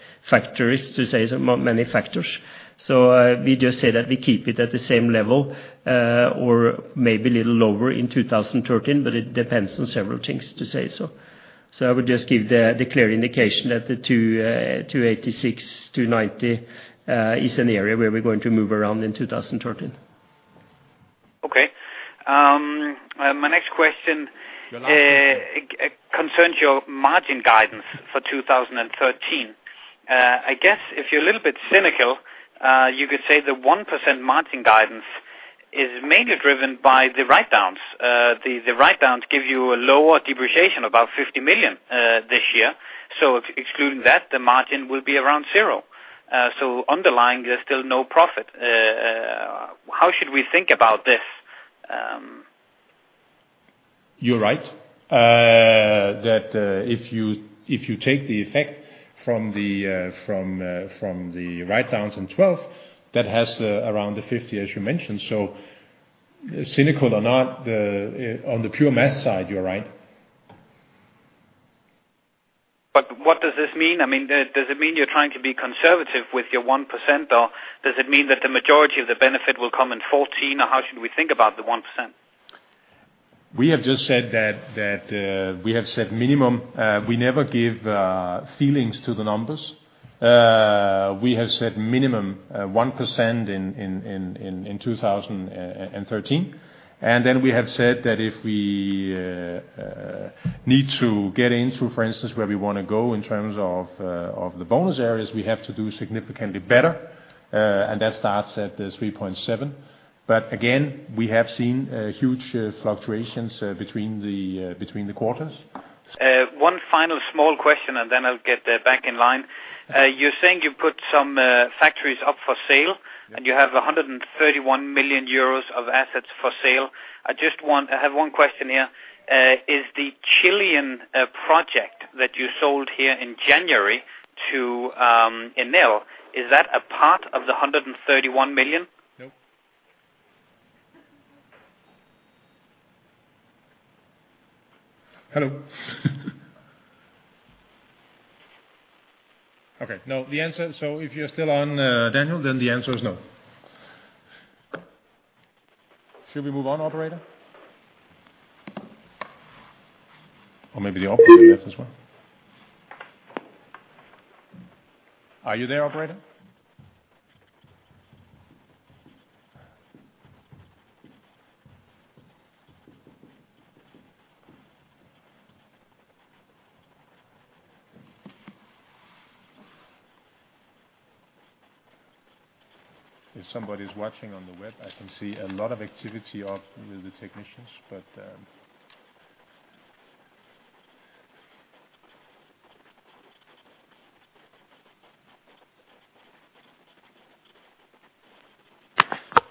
to say many factors. So, we just say that we keep it at the same level or maybe a little lower in 2013, but it depends on several things, to say so. So, I would just give the clear indication that the 286-290 is an area where we're going to move around in 2013. Okay. My next question concerns your margin guidance for 2013. I guess if you're a little bit cynical, you could say the 1% margin guidance is mainly driven by the write-downs. The, the write-downs give you a lower depreciation, about 50 million, this year. So excluding that, the margin will be around zero. So underlying, there's still no profit. How should we think about this? You're right. If you take the effect from the write-downs in 2012, that has around 50, as you mentioned. So, cynical or not, on the pure math side, you're right. What does this mean? I mean, does it mean you're trying to be conservative with your 1%, or does it mean that the majority of the benefit will come in 2014, or how should we think about the 1%? We have just said that we have set minimum, we never give feelings to the numbers. We have set minimum 1% in 2013. And then we have said that if we need to get into, for instance, where we want to go in terms of the bonus areas, we have to do significantly better, and that starts at the 3.7. But again, we have seen huge fluctuations between the quarters. One final small question, and then I'll get back in line. You're saying you put some factories up for sale, and you have 131 million euros of assets for sale. I just want—I have one question here. Is the Chilean project that you sold here in January to Enel a part of the 131 million? No. Hello? Okay, no, the answer... So if you're still on, Daniel, then the answer is no. Should we move on, operator? Or maybe the operator left as well. Are you there, operator? If somebody's watching on the web, I can see a lot of activity of the technicians, but.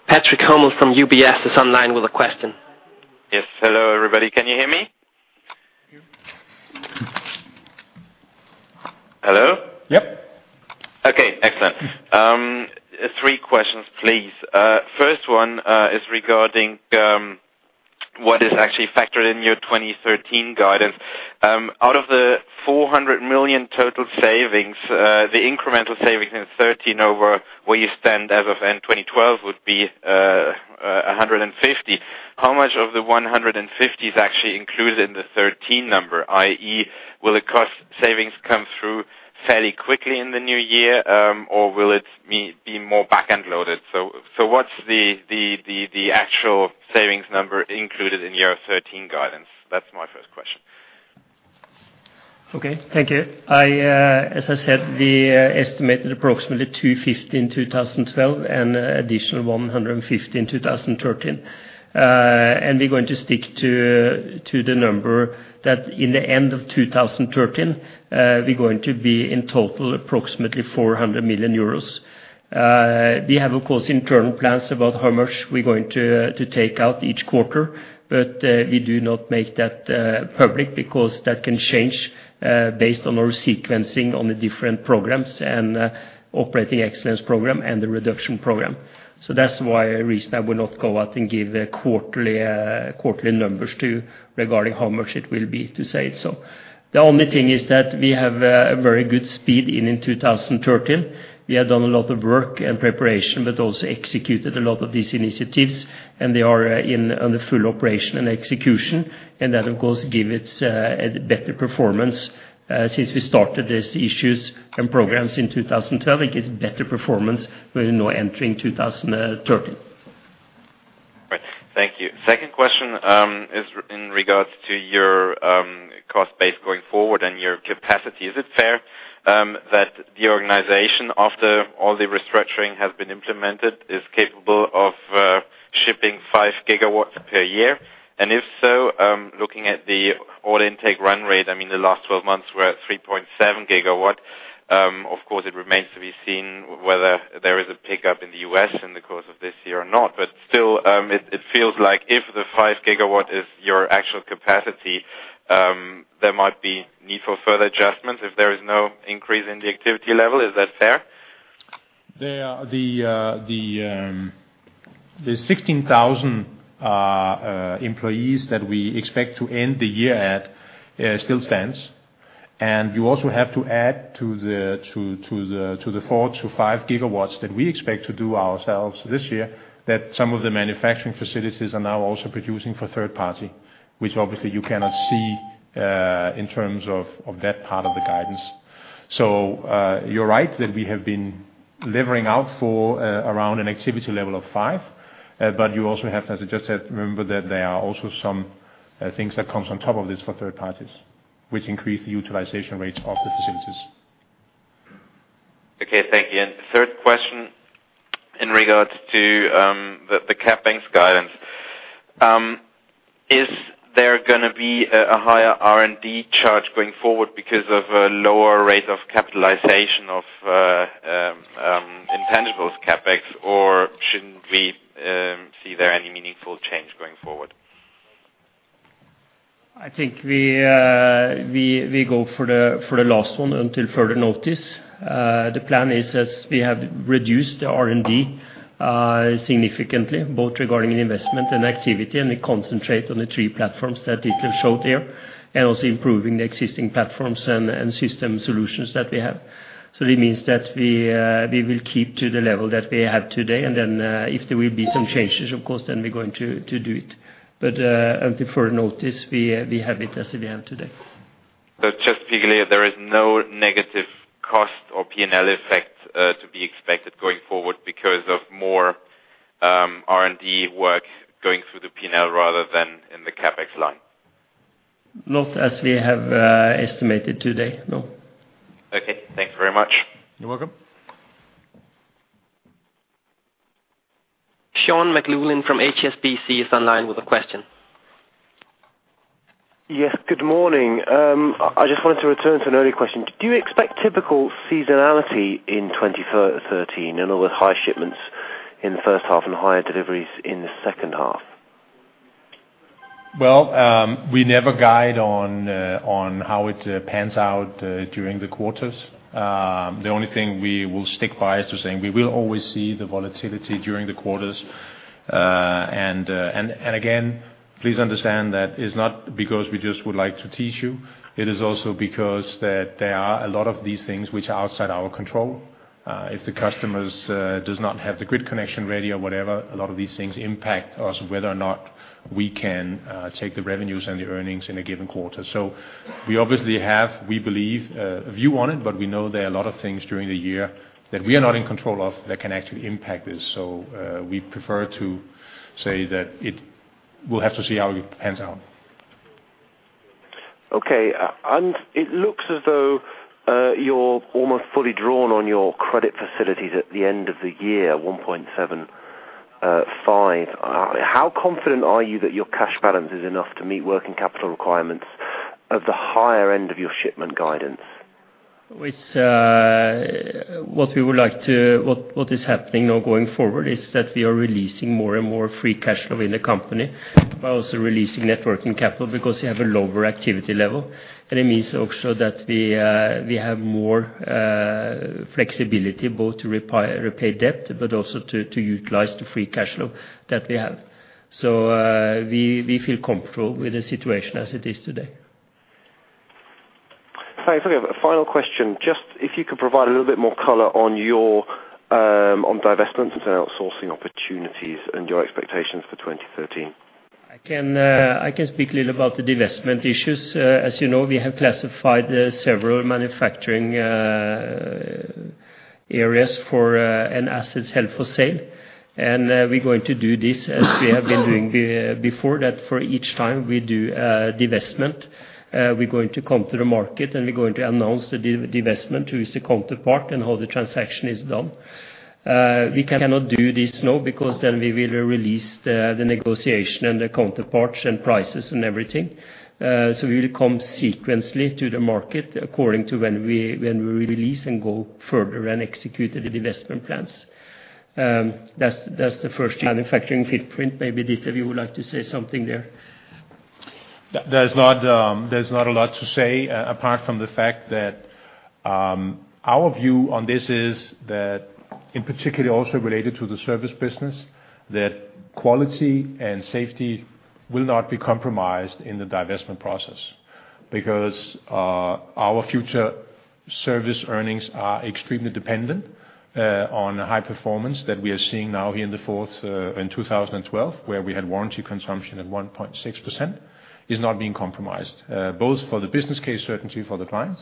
Patrick Hummel from UBS is online with a question. Yes. Hello, everybody. Can you hear me? Yep. Hello? Yep. Okay, excellent. Three questions, please. First one is regarding what is actually factored in your 2013 guidance. Out of the 400 million total savings, the incremental savings in 2013 over where you stand as of end of 2012 would be 150. How much of the 150 is actually included in the 2013 number, i.e., will the cost savings come through fairly quickly in the new year, or will it be more back-end loaded? So, what's the actual savings number included in your 2013 guidance? That's my first question. Okay, thank you. I, as I said, we, estimated approximately 250 million in 2012 and additional 150 million in 2013. And we're going to stick to, to the number that in the end of 2013, we're going to be in total, approximately 400 million euros.... we have, of course, internal plans about how much we're going to take out each quarter, but we do not make that public because that can change based on our sequencing on the different programs and operating excellence program and the reduction program. So that's why, the reason I will not go out and give quarterly numbers regarding how much it will be, to say so. The only thing is that we have a very good speed in 2013. We have done a lot of work and preparation, but also executed a lot of these initiatives, and they are in on the full operation and execution. That, of course, give it a better performance since we started these issues and programs in 2012. It gives better performance when now entering 2013. Right. Thank you. Second question is in regards to your cost base going forward and your capacity. Is it fair that the organization, after all the restructuring has been implemented, is capable of shipping 5 GW per year? And if so, looking at the order intake run rate, I mean, the last 12 months were at 3.7 GW. Of course, it remains to be seen whether there is a pickup in the U.S. in the course of this year or not, but still, it, it feels like if the 5 GW is your actual capacity, there might be need for further adjustment if there is no increase in the activity level. Is that fair? The sixteen thousand employees that we expect to end the year at still stands. You also have to add to the four to five gigawatts that we expect to do ourselves this year, that some of the manufacturing facilities are now also producing for third party, which obviously you cannot see in terms of that part of the guidance. So, you're right that we have been levering out for around an activity level of five. But you also have, as I just said, remember that there are also some things that comes on top of this for third parties, which increase the utilization rates of the facilities. Okay, thank you. And third question in regards to the CapEx guidance. Is there gonna be a higher R&D charge going forward because of a lower rate of capitalization of intangibles CapEx? Or shouldn't we see there any meaningful change going forward? I think we go for the last one until further notice. The plan is, as we have reduced the R&D significantly, both regarding investment and activity, and we concentrate on the three platforms that it will show there, and also improving the existing platforms and system solutions that we have. So it means that we will keep to the level that we have today, and then, if there will be some changes, of course, then we're going to do it. But, until further notice, we have it as we have today. So just to be clear, there is no negative cost or P&L effect to be expected going forward because of more R&D work going through the P&L rather than in the CapEx line? Not as we have estimated today, no. Okay. Thank you very much. You're welcome. Sean McLoughlin from HSBC is online with a question. Yes, good morning. I just wanted to return to an earlier question. Do you expect typical seasonality in 2013, in other words, high shipments in the first half and higher deliveries in the second half? Well, we never guide on how it pans out during the quarters. The only thing we will stick by is to say, we will always see the volatility during the quarters. And again, please understand that it's not because we just would like to tease you. It is also because that there are a lot of these things which are outside our control. If the customers does not have the grid connection ready or whatever, a lot of these things impact us, whether or not we can take the revenues and the earnings in a given quarter. So we obviously have, we believe, a view on it, but we know there are a lot of things during the year that we are not in control of that can actually impact this. We prefer to say that it... We'll have to see how it pans out. Okay. It looks as though you're almost fully drawn on your credit facilities at the end of the year, 1.75. How confident are you that your cash balance is enough to meet working capital requirements at the higher end of your shipment guidance? What is happening now going forward is that we are releasing more and more free cash flow in the company, but also releasing net working capital because we have a lower activity level. It means also that we have more flexibility both to repay debt, but also to utilize the free cash flow that we have. So, we feel comfortable with the situation as it is today. Thanks. I have a final question. Just if you could provide a little bit more color on your, on divestment and outsourcing opportunities and your expectations for 2013? I can speak a little about the divestment issues. As you know, we have classified several manufacturing areas and assets held for sale. And we're going to do this as we have been doing before, that for each time we do a divestment, we're going to come to the market, and we're going to announce the divestment, who is the counterpart and how the transaction is done. We cannot do this now, because then we will release the negotiation and the counterparts and prices and everything. So we will come sequentially to the market according to when we release and go further and execute the divestment plans. That's the first manufacturing footprint. Maybe, Ditlev, you would like to say something there? There's not a lot to say, apart from the fact that our view on this is that, in particular also related to the service business, that quality and safety will not be compromised in the divestment process. Because our future service earnings are extremely dependent on high performance that we are seeing now here in the fourth in 2012, where we had warranty consumption at 1.6%, is not being compromised. Both for the business case certainty for the clients,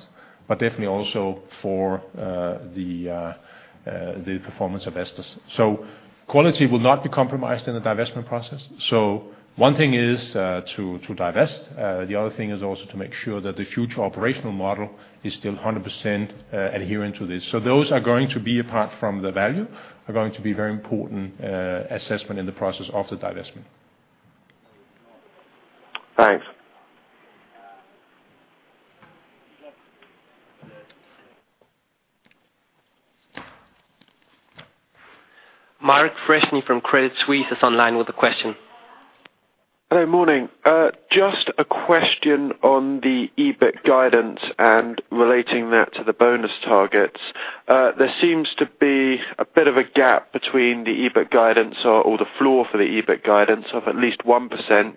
but definitely also for the performance of Vestas. So quality will not be compromised in the divestment process. So one thing is to divest. The other thing is also to make sure that the future operational model is still 100% adherent to this. Those are going to be, apart from the value, are going to be very important assessment in the process of the divestment. Thanks. Mark Freshney from Credit Suisse is online with a question. Hello, morning. Just a question on the EBIT guidance and relating that to the bonus targets. There seems to be a bit of a gap between the EBIT guidance or the floor for the EBIT guidance of at least 1%,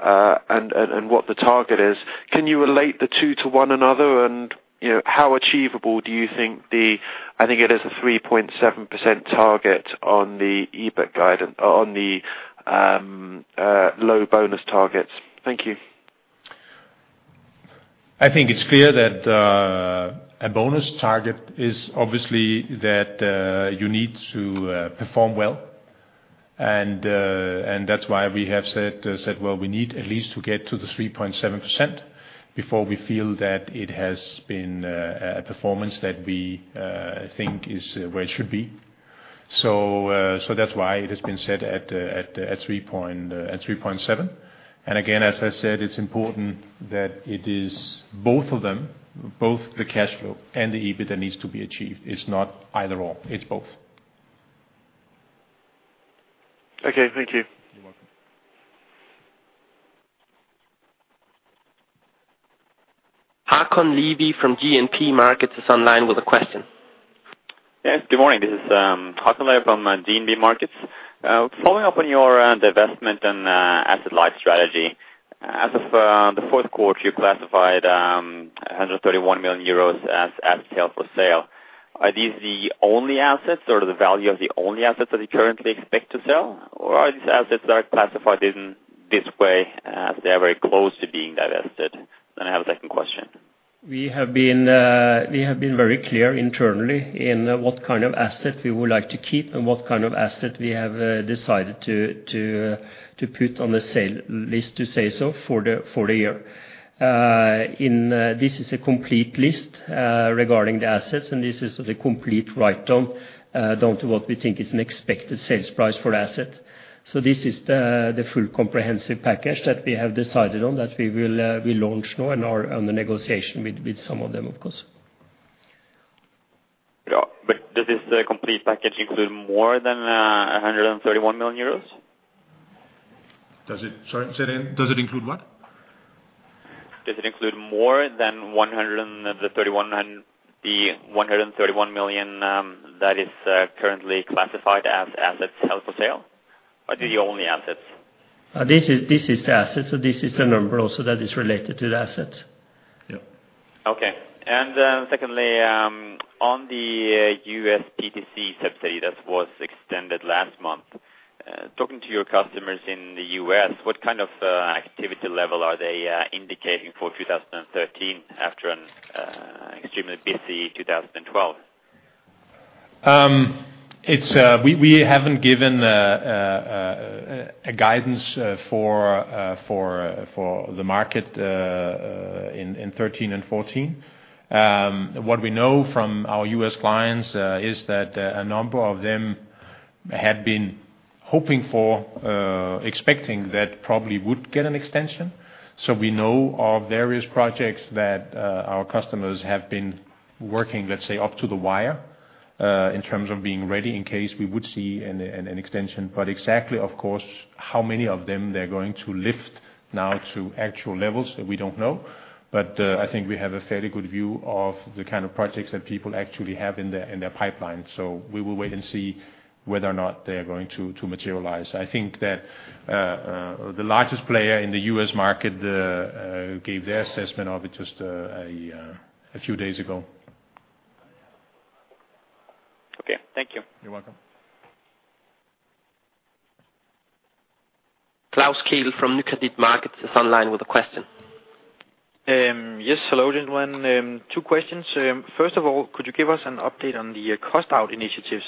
and what the target is. Can you relate the two to one another? And, you know, how achievable do you think the, I think it is a 3.7% target on the EBIT guidance on the low bonus targets. Thank you. I think it's clear that a bonus target is obviously that you need to perform well. And that's why we have said, well, we need at least to get to the 3.7% before we feel that it has been a performance that we think is where it should be. So that's why it has been set at 3.7%. And again, as I said, it's important that it is both of them, both the cash flow and the EBIT that needs to be achieved. It's not either or, it's both. Okay, thank you. You're welcome. Håkon Levy from DNB Markets is online with a question. Yes, good morning. This is Håkon Levy from DNB Markets. Following up on your divestment and asset light strategy. As of the fourth quarter, you classified 131 million euros as assets held for sale. Are these the only assets, or the value of the only assets that you currently expect to sell? Or are these assets are classified in this way, as they are very close to being divested? Then I have a second question. We have been very clear internally in what kind of asset we would like to keep and what kind of asset we have decided to put on the sale list, to say so, for the year. This is a complete list regarding the assets, and this is the complete write-down down to what we think is an expected sales price for asset. So this is the full comprehensive package that we have decided on, that we will launch now and are on the negotiation with some of them, of course. Yeah, but does this complete package include more than 131 million euros? Does it... Sorry, say it again. Does it include what? Does it include more than the 131 million that is currently classified as assets held for sale, or the only assets? This is, this is the assets, so this is the number also that is related to the assets. Yeah. Okay. Secondly, on the U.S. PTC subsidy that was extended last month. Talking to your customers in the U.S., what kind of activity level are they indicating for 2013, after an extremely busy 2012? It's we haven't given a guidance for the market in 2013 and 2014. What we know from our U.S. clients is that a number of them had been hoping for, expecting that probably would get an extension. So we know of various projects that our customers have been working, let's say, up to the wire, in terms of being ready in case we would see an extension. But exactly, of course, how many of them they're going to lift now to actual levels, we don't know. But I think we have a fairly good view of the kind of projects that people actually have in their pipeline. So we will wait and see whether or not they are going to materialize. I think that the largest player in the U.S. market gave their assessment of it just a few days ago. Okay, thank you. You're welcome. Klaus Kehl from Nykredit Markets is online with a question. Yes, hello, everyone. Two questions. First of all, could you give us an update on the cost out initiatives?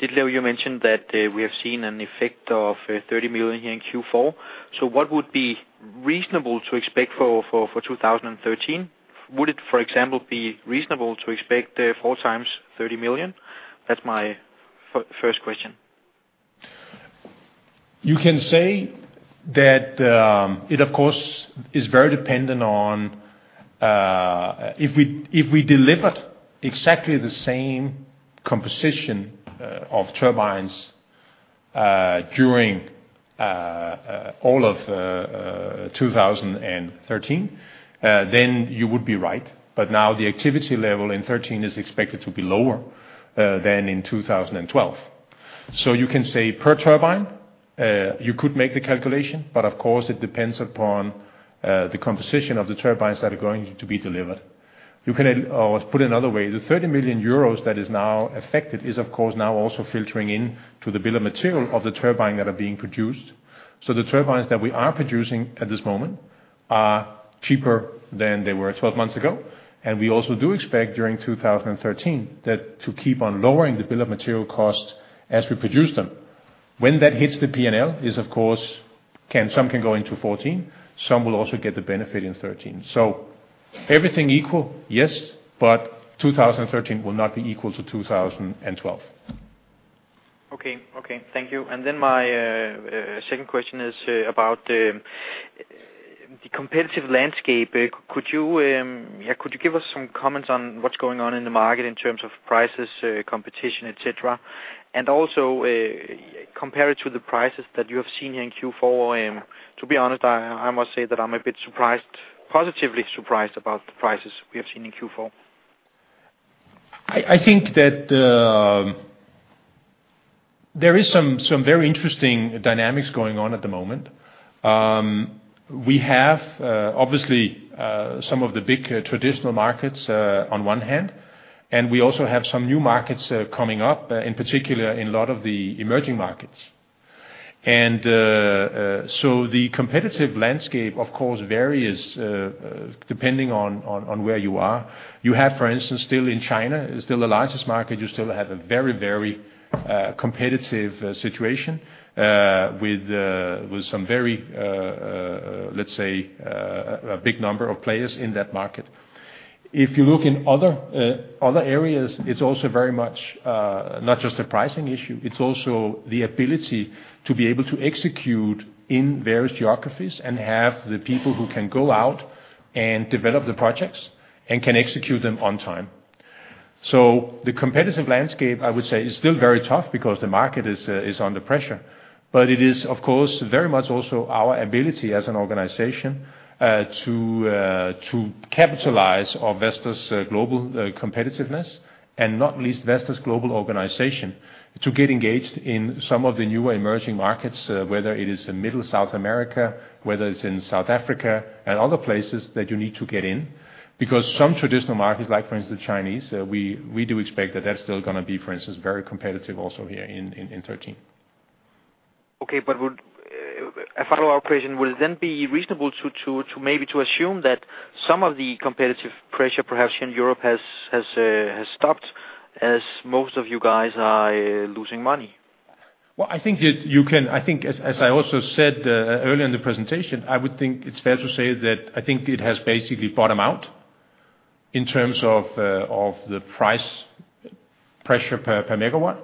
Ditlev, you mentioned that we have seen an effect of 30 million here in Q4. So what would be reasonable to expect for 2013?... Would it, for example, be reasonable to expect 4 times 30 million? That's my first question. You can say that, it, of course, is very dependent on, if we, if we delivered exactly the same composition, of turbines, during, all of, 2013, then you would be right. But now the activity level in 2013 is expected to be lower, than in 2012. So you can say per turbine, you could make the calculation, but of course it depends upon, the composition of the turbines that are going to be delivered. You can, put another way, the 30 million euros that is now affected is, of course, now also filtering in to the bill of material of the turbine that are being produced. So the turbines that we are producing at this moment are cheaper than they were 12 months ago, and we also do expect, during 2013, that to keep on lowering the bill of material costs as we produce them. When that hits the P&L, it is, of course, some can go into 2014, some will also get the benefit in 2013. So everything equal, yes, but 2013 will not be equal to 2012. Okay. Okay, thank you. And then my second question is about the competitive landscape. Could you, yeah, could you give us some comments on what's going on in the market in terms of prices, competition, et cetera? And also compare it to the prices that you have seen in Q4. To be honest, I must say that I'm a bit surprised, positively surprised, about the prices we have seen in Q4. I think that there is some very interesting dynamics going on at the moment. We have obviously some of the big traditional markets on one hand, and we also have some new markets coming up in particular in a lot of the emerging markets. So the competitive landscape, of course, varies depending on where you are. You have, for instance, still in China is still the largest market, you still have a very, very competitive situation with some very let's say a big number of players in that market. If you look in other areas, it's also very much not just a pricing issue, it's also the ability to be able to execute in various geographies and have the people who can go out and develop the projects, and can execute them on time. So the competitive landscape, I would say, is still very tough because the market is under pressure. But it is, of course, very much also our ability as an organization to capitalize on Vestas' global competitiveness, and not least, Vestas' global organization, to get engaged in some of the newer emerging markets, whether it is in Middle East, South America, whether it's in South Africa, and other places that you need to get in. Because some traditional markets, like, for instance, Chinese, we do expect that that's still gonna be, for instance, very competitive also here in 2013. Okay, but would... A follow-up question, would it then be reasonable to maybe assume that some of the competitive pressure, perhaps in Europe, has stopped, as most of you guys are losing money? Well, I think, as I also said earlier in the presentation, I would think it's fair to say that I think it has basically bottomed out in terms of the price pressure per megawatt.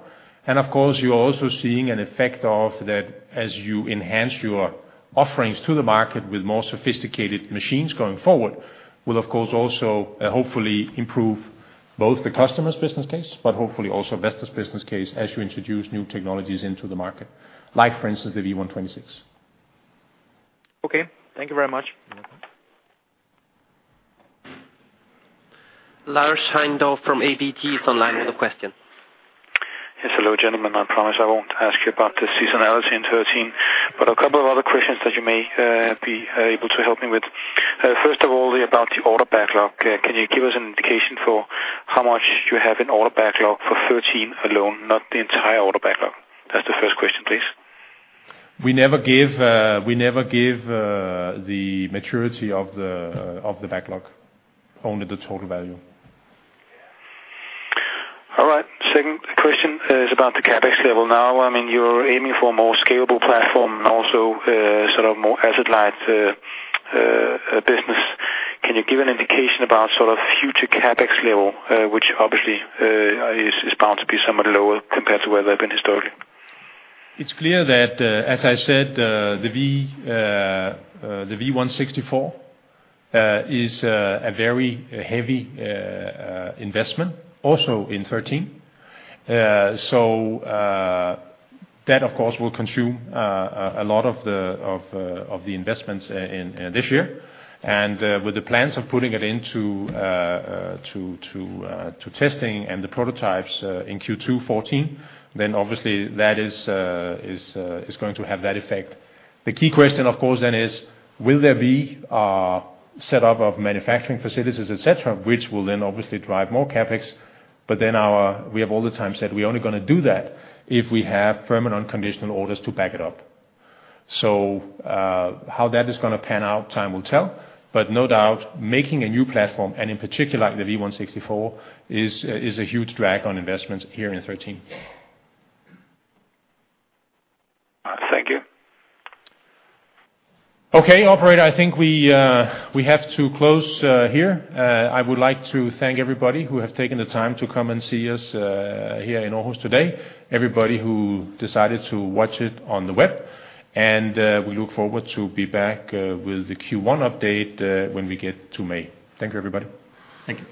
And of course, you're also seeing an effect of that as you enhance your offerings to the market with more sophisticated machines going forward, will, of course, also hopefully improve both the customer's business case, but hopefully also Vestas' business case, as you introduce new technologies into the market, like, for instance, the V126. Okay. Thank you very much. You're welcome. Lars Heindorff from ABG Sundal Collier is online with a question. Yes, hello, gentlemen. I promise I won't ask you about the seasonality in 2013, but a couple of other questions that you may be able to help me with. First of all, about the order backlog. Can you give us an indication for how much you have in order backlog for 2013 alone, not the entire order backlog? That's the first question, please. We never give the maturity of the backlog, only the total value. All right. Second question is about the CapEx level. Now, I mean, you're aiming for a more scalable platform, also, sort of more asset-light, business. Can you give an indication about sort of future CapEx level, which obviously, is, is bound to be somewhat lower compared to where they've been historically? It's clear that, as I said, the V164 is a very heavy investment, also in 2013. So, that, of course, will consume a lot of the investments in this year. And, with the plans of putting it into to testing and the prototypes, in Q2 2014, then obviously that is going to have that effect. The key question, of course, then is: Will there be a set up of manufacturing facilities, et cetera, which will then obviously drive more CapEx? But then we have all the time said we're only gonna do that if we have firm and unconditional orders to back it up. So, how that is gonna pan out, time will tell. No doubt, making a new platform, and in particular, the V164, is a huge drag on investments here in 2013. Thank you. Okay, operator, I think we have to close here. I would like to thank everybody who have taken the time to come and see us here in Aarhus today, everybody who decided to watch it on the web. We look forward to be back with the Q1 update when we get to May. Thank you, everybody. Thank you.